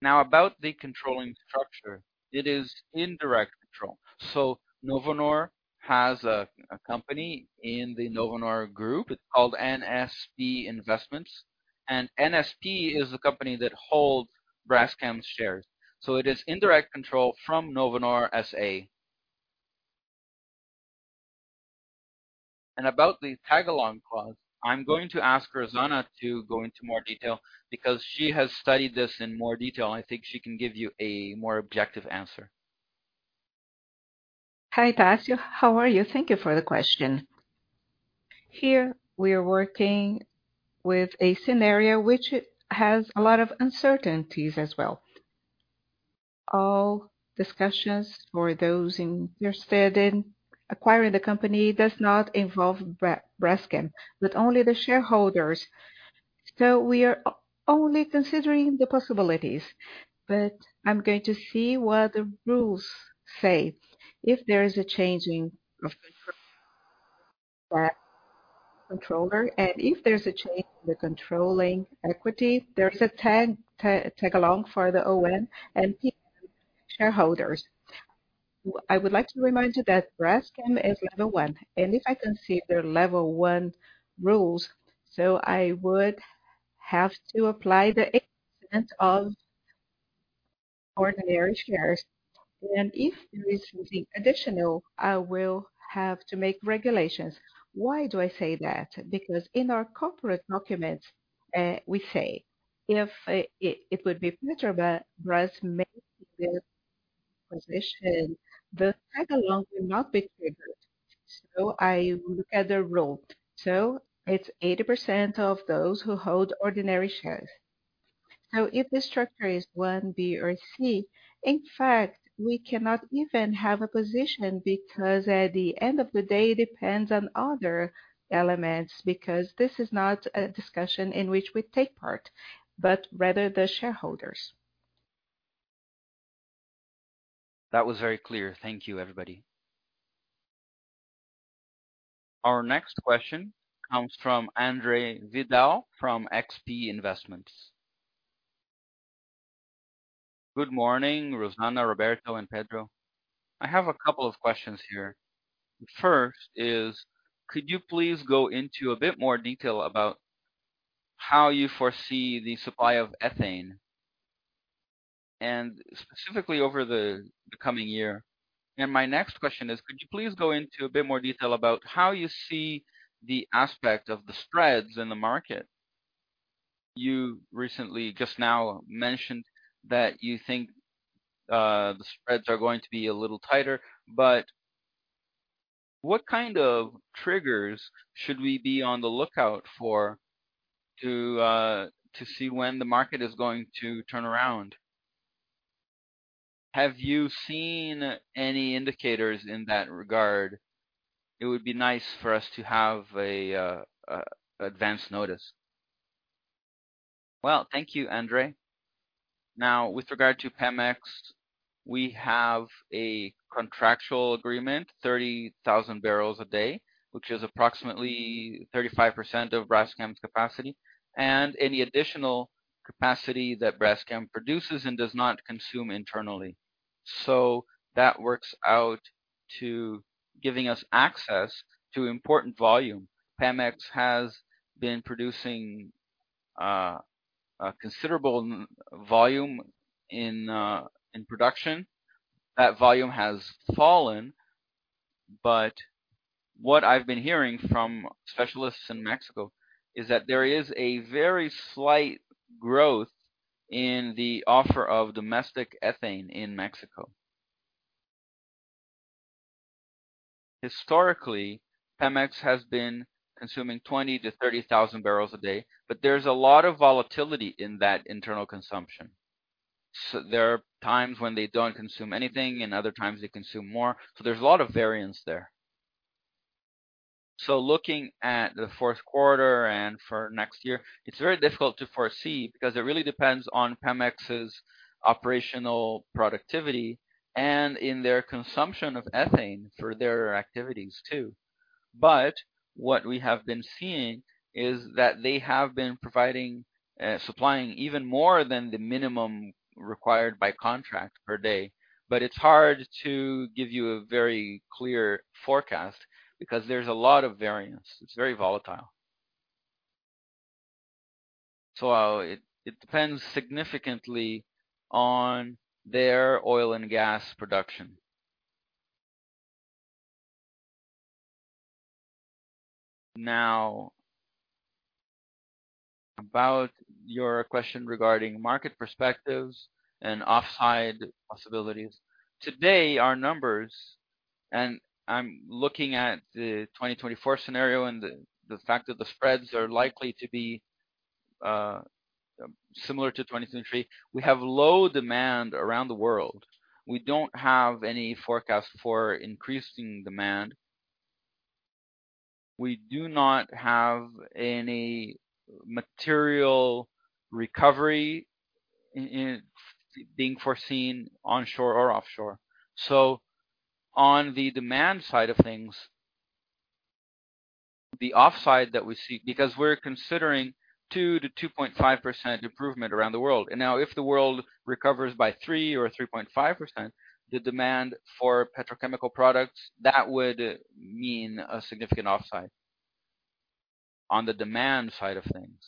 Now, about the controlling structure, it is indirect control. So Novonor has a company in the Novonor group. It's called NSP Investments, and NSP is the company that holds Braskem shares. So it is indirect control from Novonor S.A. About the tag-along clause, I'm going to ask Rosana to go into more detail because she has studied this in more detail. I think she can give you a more objective answer. Hi Tasso. How are you? Thank you for the question. Here we are working with a scenario which has a lot of uncertainties as well. All discussions for those interested in acquiring the company does not involve Braskem, but only the shareholders. So we are only considering the possibilities, but I'm going to see what the rules say. If there is a changing of the controller, and if there's a change in the controlling equity, there is a tag-along for the ON and shareholders. I would like to remind you that Braskem is level one, and if I consider level one rules, so I would have to apply the 80% of ordinary shares, and if there is something additional, I will have to make regulations. Why do I say that? Because in our corporate documents, we say, if it would be Petrobras making this position, the tag-along will not be triggered. So I look at the rule. So it's 80% of those who hold ordinary shares. So if the structure is one, B or C, in fact, we cannot even have a position, because at the end of the day, it depends on other elements, because this is not a discussion in which we take part, but rather the shareholders. ...That was very clear. Thank you everybody. Our next question comes from Andre Vidal from XP Investments. Good morning Rosana, Roberto, and Pedro. I have a couple of questions here. First is, could you please go into a bit more detail about how you foresee the supply of ethane, and specifically over the coming year? And my next question is, could you please go into a bit more detail about how you see the aspect of the spreads in the market? You recently, just now, mentioned that you think the spreads are going to be a little tighter, but what kind of triggers should we be on the lookout for, to see when the market is going to turn around? Have you seen any indicators in that regard? It would be nice for us to have an advanced notice. Well, thank you Andre. Now, with regard to Pemex, we have a contractual agreement, 30,000 barrels a day, which is approximately 35% of Braskem's capacity, and any additional capacity that Braskem produces and does not consume internally. So that works out to giving us access to important volume. Pemex has been producing a considerable volume in production. That volume has fallen, but what I've been hearing from specialists in Mexico is that there is a very slight growth in the offer of domestic ethane in Mexico. Historically, Pemex has been consuming 20,000 to 30,000 barrels a day, but there's a lot of volatility in that internal consumption. So there are times when they don't consume anything, and other times they consume more, so there's a lot of variance there. So looking at the Q4 and for next year, it's very difficult to foresee because it really depends on Pemex's operational productivity and in their consumption of ethane for their activities, too. But what we have been seeing is that they have been providing, supplying even more than the minimum required by contract per day. But it's hard to give you a very clear forecast because there's a lot of variance. It's very volatile. So it, it depends significantly on their oil and gas production. Now, about your question regarding market perspectives and offside possibilities. Today, our numbers, and I'm looking at the 2024 scenario and the, the fact that the spreads are likely to be similar to 2023. We have low demand around the world. We don't have any forecast for increasing demand. We do not have any material recovery in, in... being foreseen onshore or offshore. So on the demand side of things, the upside that we see, because we're considering 2 to 2.5% improvement around the world. And now, if the world recovers by 3 or 3.5%, the demand for petrochemical products, that would mean a significant upside on the demand side of things,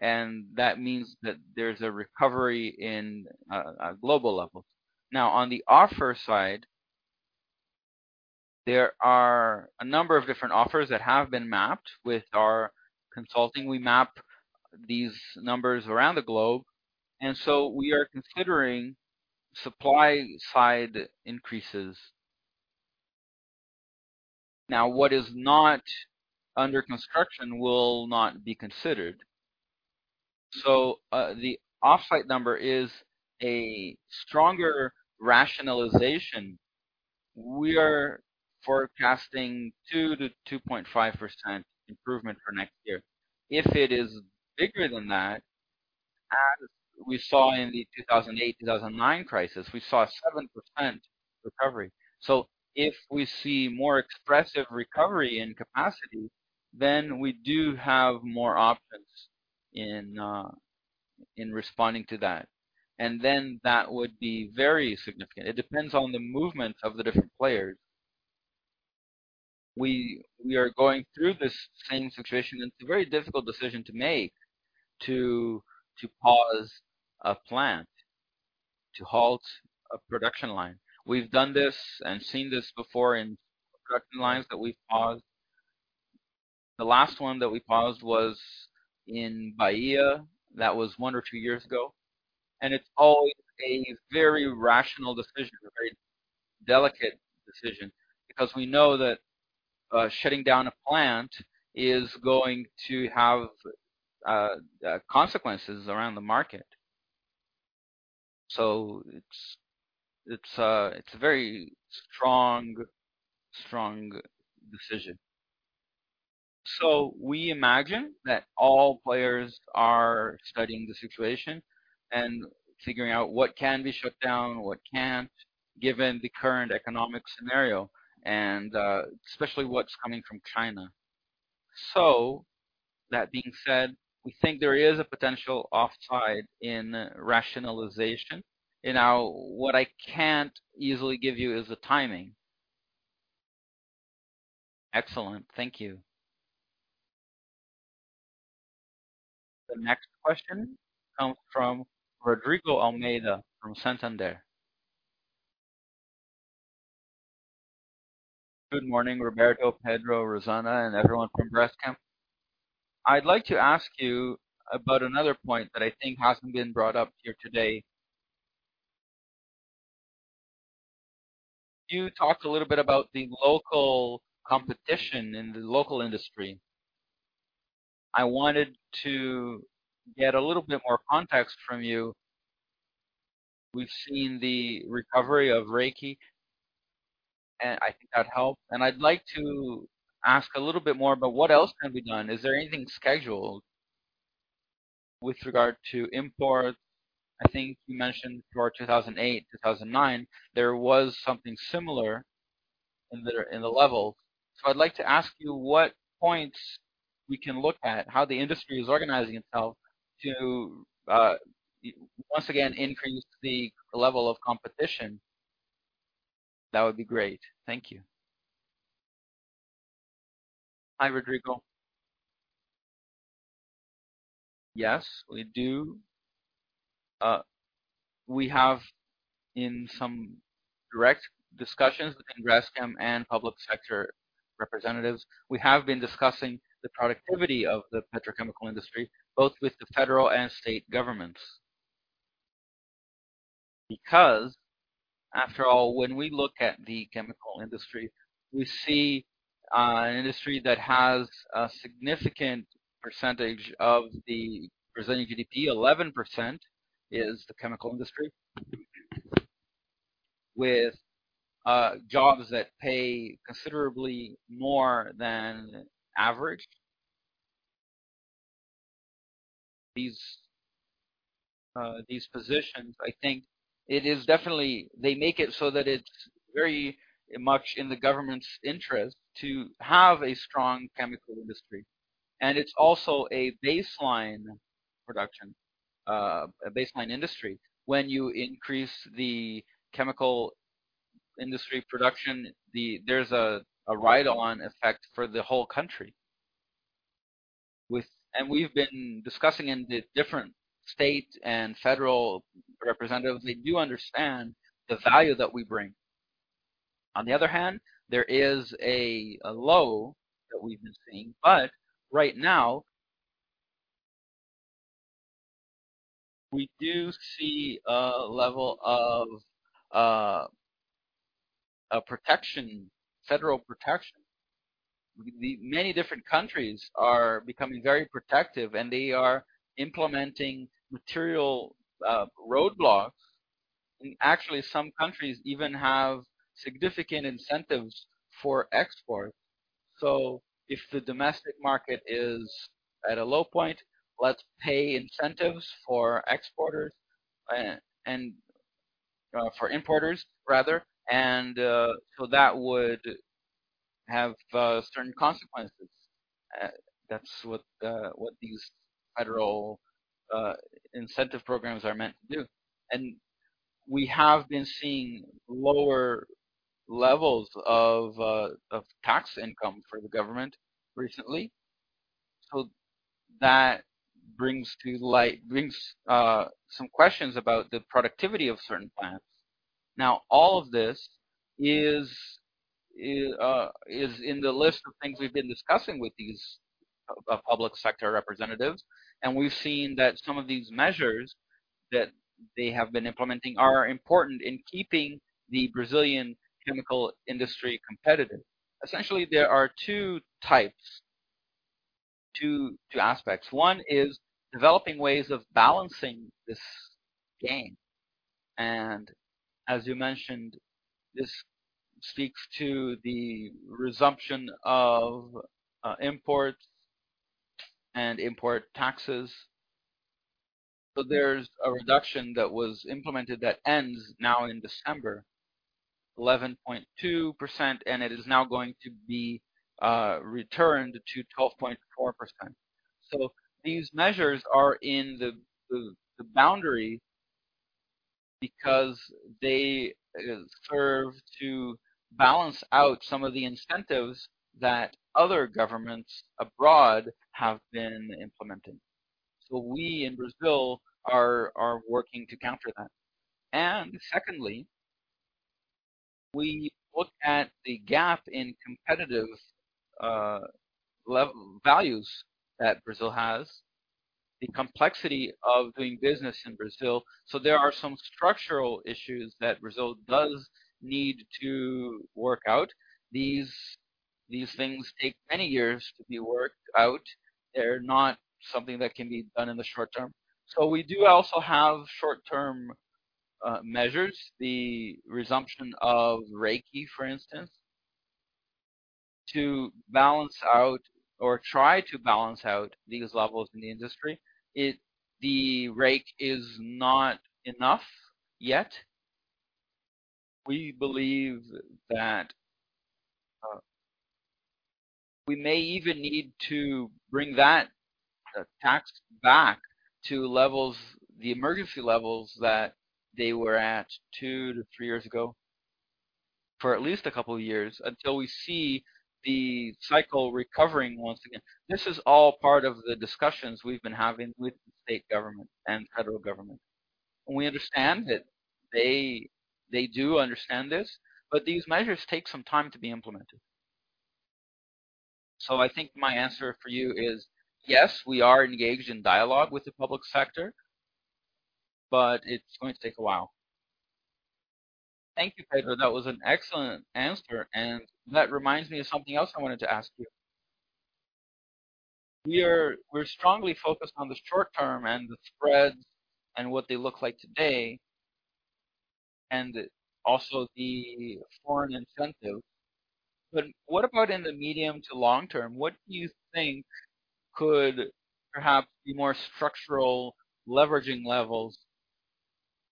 and that means that there's a recovery in a global level. Now, on the supply side, there are a number of different supplies that have been mapped. With our consulting, we map these numbers around the globe, and so we are considering supply side increases. Now, what is not under construction will not be considered. So, the upside number is a stronger rationalization. We are forecasting 2 to 2.5% improvement for next year. If it is bigger than that, as we saw in the 2008, 2009 crisis, we saw a 7% recovery. So if we see more expressive recovery in capacity, then we do have more options in responding to that, and then that would be very significant. It depends on the movement of the different players. We, we are going through this same situation, and it's a very difficult decision to make, to pause a plant, to halt a production line. We've done this and seen this before in production lines that we've paused. The last one that we paused was in Bahia. That was 1 or 2 years ago, and it's always a very rational decision, a very delicate decision, because we know that, shutting down a plant is going to have consequences around the market. So it's a very strong decision. So we imagine that all players are studying the situation and figuring out what can be shut down, what can't, given the current economic scenario, and especially what's coming from China. So that being said, we think there is a potential upside in rationalization. Now what I can't easily give you is the timing. Excellent. Thank you. The next question comes from Rodrigo Almeida from Santander. Good morning Roberto, Pedro, Rosana and everyone from Braskem. I'd like to ask you about another point that I think hasn't been brought up here today. You talked a little bit about the local competition in the local industry. I wanted to get a little bit more context from you. We've seen the recovery of REIQ, and I think that helped. And I'd like to ask a little bit more about what else can be done. Is there anything scheduled with regard to imports? I think you mentioned toward 2008, 2009, there was something similar in the, in the level. So I'd like to ask you what points we can look at, how the industry is organizing itself to once again, increase the level of competition. That would be great. Thank you. Hi, Rodrigo. Yes, we do. We have in some direct discussions between Braskem and public sector representatives, we have been discussing the productivity of the petrochemical industry, both with the federal and state governments. Because after all, when we look at the chemical industry, we see an industry that has a significant percentage of the Brazilian GDP. 11% is the chemical industry, with jobs that pay considerably more than average. These, these positions, I think it is definitely... They make it so that it's very much in the government's interest to have a strong chemical industry, and it's also a baseline production, a baseline industry. When you increase the chemical industry production, there's a ride-on effect for the whole country. And we've been discussing in the different state and federal representatives, they do understand the value that we bring. On the other hand, there is a low that we've been seeing, but right now, we do see a level of a protection, federal protection. Many different countries are becoming very protective, and they are implementing material roadblocks. And actually, some countries even have significant incentives for export. So if the domestic market is at a low point, let's pay incentives for exporters and for importers, rather, and so that would have certain consequences. That's what these federal incentive programs are meant to do. We have been seeing lower levels of tax income for the government recently. So that brings some questions about the productivity of certain plants. All of this is in the list of things we've been discussing with these public sector representatives, and we've seen that some of these measures that they have been implementing are important in keeping the Brazilian chemical industry competitive. Essentially, there are two types, two aspects. One is developing ways of balancing this game, and as you mentioned, this speaks to the resumption of imports and import taxes. So there's a reduction that was implemented that ends now in December, 11.2%, and it is now going to be returned to 12.4%. So these measures are in the boundary because they serve to balance out some of the incentives that other governments abroad have been implementing. So we in Brazil are working to counter that. And secondly, we look at the gap in competitive level values that Brazil has, the complexity of doing business in Brazil. So there are some structural issues that Brazil does need to work out. These things take many years to be worked out. They're not something that can be done in the short term. So we do also have short-term measures, the resumption of REIQ, for instance, to balance out or try to balance out these levels in the industry. The rate is not enough yet. We believe that, we may even need to bring that tax back to levels, the emergency levels that they were at 2 to 3 years ago, for at least a couple of years, until we see the cycle recovering once again. This is all part of the discussions we've been having with the state government and federal government. We understand that they, they do understand this, but these measures take some time to be implemented. I think my answer for you is, yes, we are engaged in dialogue with the public sector, but it's going to take a while. Thank you Pedro. That was an excellent answer, and that reminds me of something else I wanted to ask you. We're strongly focused on the short term and the spreads and what they look like today, and also the foreign incentive. But what about in the medium to long term? What do you think could perhaps be more structural leveraging levels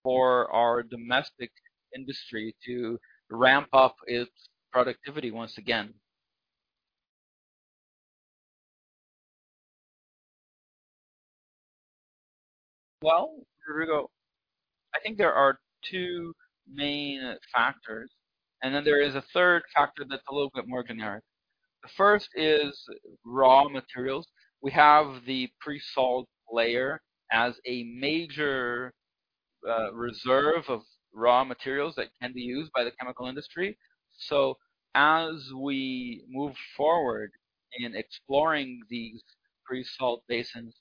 for our domestic industry to ramp up its productivity once again? Well, Rodrigo, I think there are 2 main factors, and then there is a third factor that's a little bit more generic. The first is raw materials. We have the pre-salt layer as a major reserve of raw materials that can be used by the chemical industry. So as we move forward in exploring these pre-salt basins,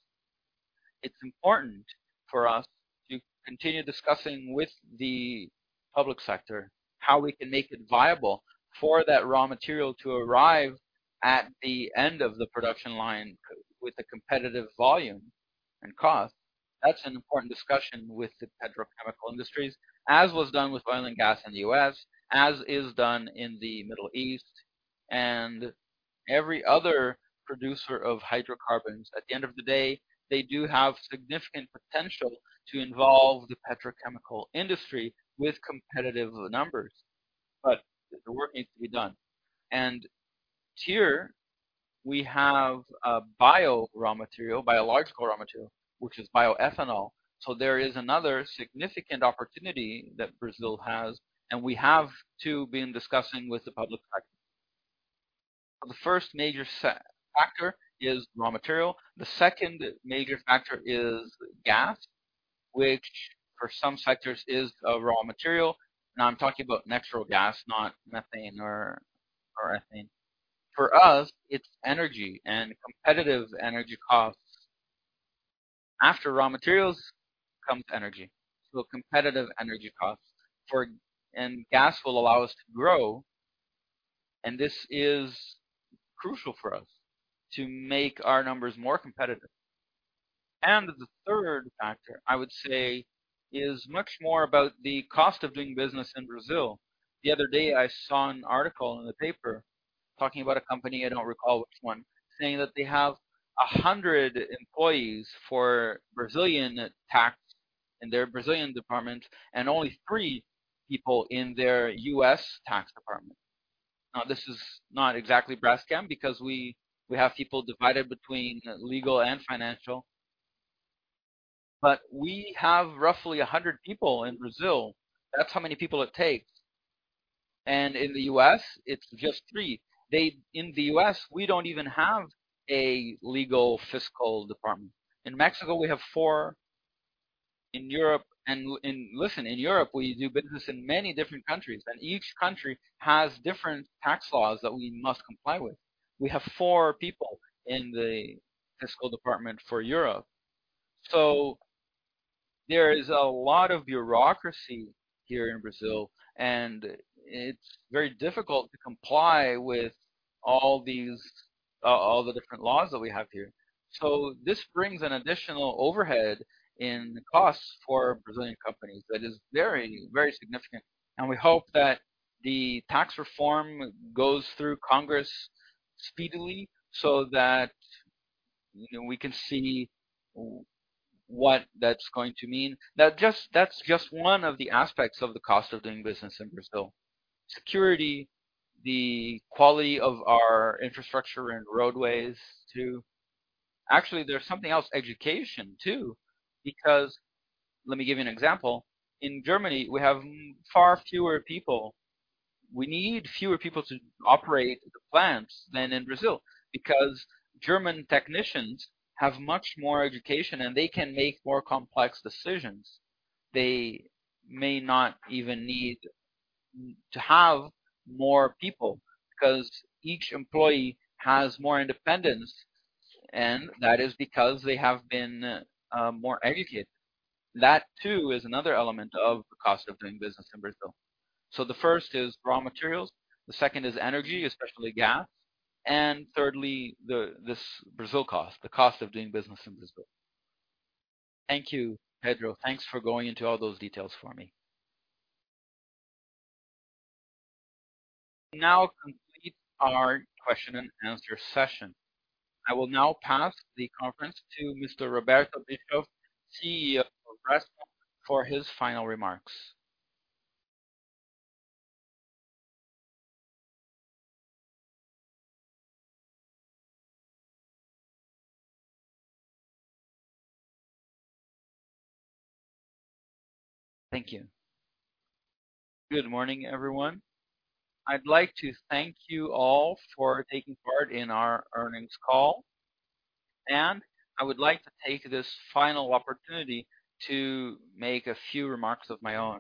it's important for us to continue discussing with the public sector how we can make it viable for that raw material to arrive at the end of the production line with a competitive volume and cost. That's an important discussion with the petrochemical industries, as was done with oil and gas in the US, as is done in the Middle East, and every other producer of hydrocarbons. At the end of the day, they do have significant potential to involve the petrochemical industry with competitive numbers, but the work needs to be done. And here we have a bio raw material, biological raw material, which is bioethanol. So there is another significant opportunity that Brazil has, and we have to been discussing with the public sector. The first major factor is raw material. The second major factor is gas, which for some sectors is a raw material. Now I'm talking about natural gas, not methane or ethane. For us, it's energy and competitive energy costs. After raw materials, comes energy. So competitive energy costs for... Gas will allow us to grow, and this is crucial for us to make our numbers more competitive. The third factor, I would say, is much more about the cost of doing business in Brazil. The other day, I saw an article in the paper talking about a company, I don't recall which one, saying that they have 100 employees for Brazilian tax in their Brazilian department, and only three people in their U.S. tax department. Now, this is not exactly Braskem, because we have people divided between legal and financial. But we have roughly 100 people in Brazil. That's how many people it takes. In the US, it's just three. In the US, we don't even have a legal fiscal department. In Mexico, we have four. In Europe, listen, in Europe, we do business in many different countries, and each country has different tax laws that we must comply with. We have four people in the fiscal department for Europe. So there is a lot of bureaucracy here in Brazil, and it's very difficult to comply with all these, all the different laws that we have here. So this brings an additional overhead in costs for Brazilian companies that is very, very significant. And we hope that the tax reform goes through Congress speedily so that, you know, we can see what that's going to mean. Now, just— That's just one of the aspects of the cost of doing business in Brazil. Security, the quality of our infrastructure and roadways, too. Actually, there's something else, education, too, because... Let me give you an example: In Germany, we have far fewer people. We need fewer people to operate the plants than in Brazil, because German technicians have much more education, and they can make more complex decisions. They may not even need to have more people, because each employee has more independence, and that is because they have been more educated. That, too, is another element of the cost of doing business in Brazil. So the first is raw materials, the second is energy, especially gas. And thirdly, the this Brazil cost, the cost of doing business in Brazil. Thank you Pedro. Thanks for going into all those details for me. We now complete our question and answer session. I will now pass the conference to Mr. Roberto Bischoff, CEO of Braskem, for his final remarks. Thank you. Good morning everyone. I'd like to thank you all for taking part in our earnings call, and I would like to take this final opportunity to make a few remarks of my own.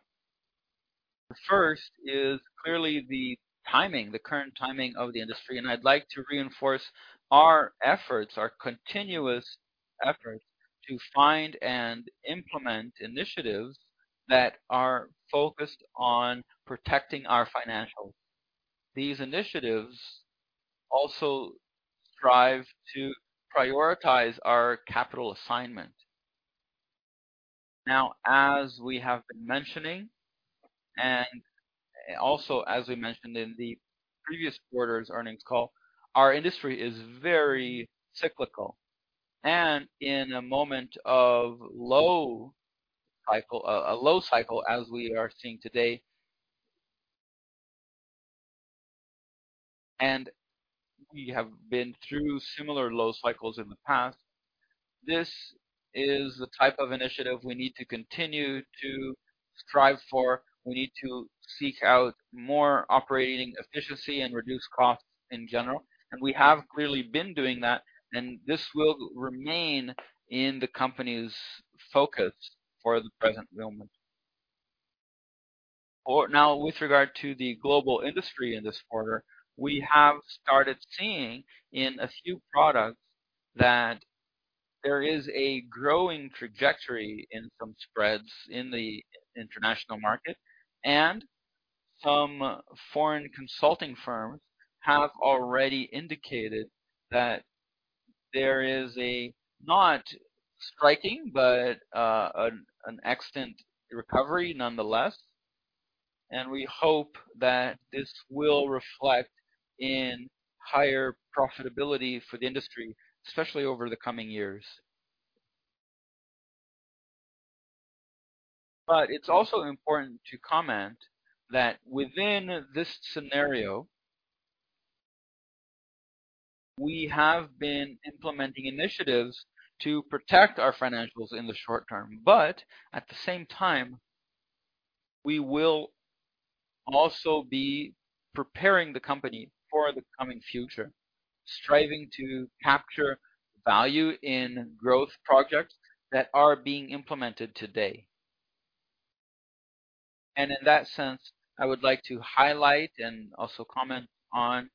The first is clearly the timing, the current timing of the industry, and I'd like to reinforce our efforts, our continuous efforts, to find and implement initiatives that are focused on protecting our financials. These initiatives also strive to prioritize our capital assignment. Now, as we have been mentioning, and also as we mentioned in the previous quarter's earnings call, our industry is very cyclical. In a moment of low cycle, a low cycle, as we are seeing today, and we have been through similar low cycles in the past, this is the type of initiative we need to continue to strive for. We need to seek out more operating efficiency and reduce costs in general, and we have clearly been doing that, and this will remain in the company's focus for the present moment. Or now, with regard to the global industry in this quarter, we have started seeing in a few products that there is a growing trajectory in some spreads in the international market, and some foreign consulting firms have already indicated that there is a not striking, but an excellent recovery nonetheless, and we hope that this will reflect in higher profitability for the industry, especially over the coming years. But it's also important to comment that within this scenario, we have been implementing initiatives to protect our financials in the short term. But at the same time, we will also be preparing the company for the coming future, striving to capture value in growth projects that are being implemented today. And in that sense, I would like to highlight and also comment on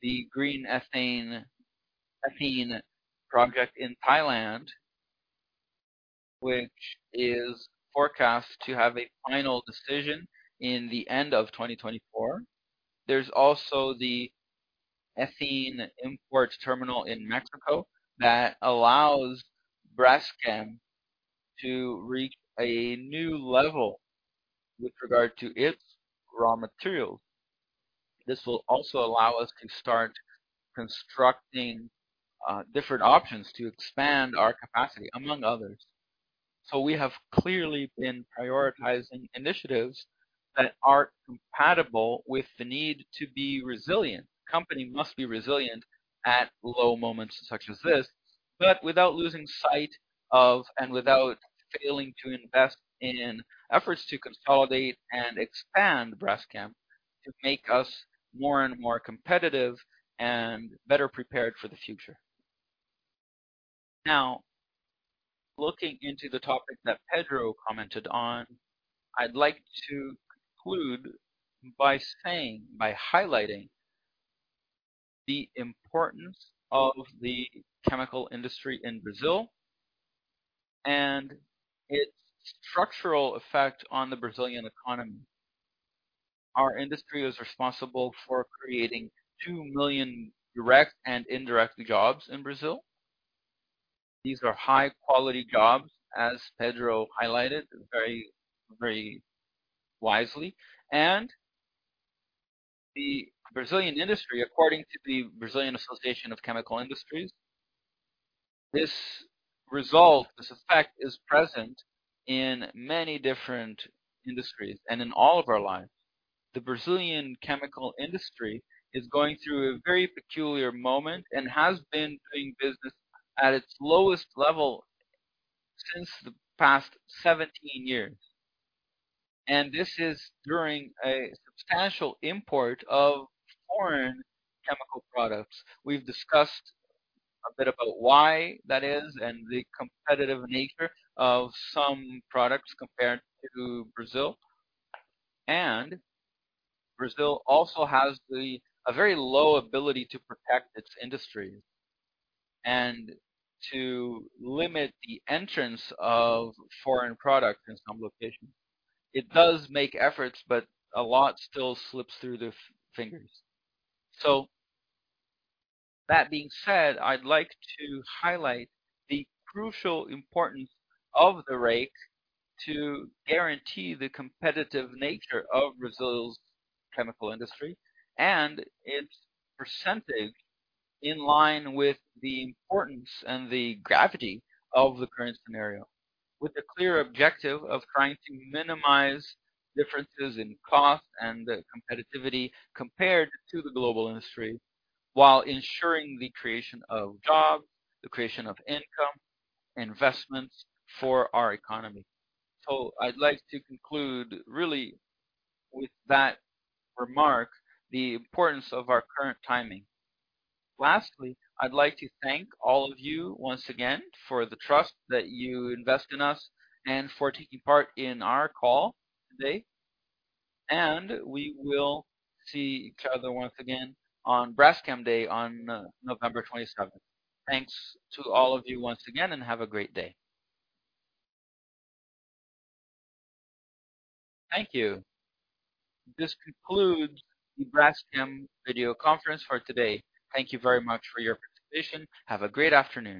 the green ethane, ethane project in Thailand, which is forecast to have a final decision in the end of 2024. There's also the ethane import terminal in Mexico that allows Braskem to reach a new level with regard to its raw materials. This will also allow us to start constructing different options to expand our capacity, among others. So we have clearly been prioritizing initiatives that are compatible with the need to be resilient. company must be resilient at low moments such as this, but without losing sight of and without failing to invest in efforts to consolidate and expand Braskem, to make us more and more competitive and better prepared for the future. Now, looking into the topic that Pedro commented on, I'd like to conclude by saying, by highlighting the importance of the chemical industry in Brazil and its structural effect on the Brazilian economy. Our industry is responsible for creating 2 million direct and indirect jobs in Brazil. These are high-quality jobs, as Pedro highlighted, very, very wisely. The Brazilian industry, according to the Brazilian Association of Chemical Industries, this result, this effect, is present in many different industries and in all of our lives. The Brazilian chemical industry is going through a very peculiar moment and has been doing business at its lowest level since the past 17 years, and this is during a substantial import of foreign chemical products. We've discussed a bit about why that is and the competitive nature of some products compared to Brazil. And Brazil also has the, a very low ability to protect its industry and to limit the entrance of foreign products in some locations. It does make efforts, but a lot still slips through the fingers. So that being said, I'd like to highlight the crucial importance of the REIQ to guarantee the competitive nature of Brazil's chemical industry and its percentage in line with the importance and the gravity of the current scenario, with the clear objective of trying to minimize differences in cost and the competitiveness compared to the global industry, while ensuring the creation of jobs, the creation of income, investments for our economy. So I'd like to conclude, really with that remark, the importance of our current timing. Lastly, I'd like to thank all of you once again for the trust that you invest in us and for taking part in our call today. And we will see each other once again on Braskem Day on November 27. Thanks to all of you once again, and have a great day. Thank you. This concludes the Braskem video conference for today. Thank you very much for your participation. Have a great afternoon.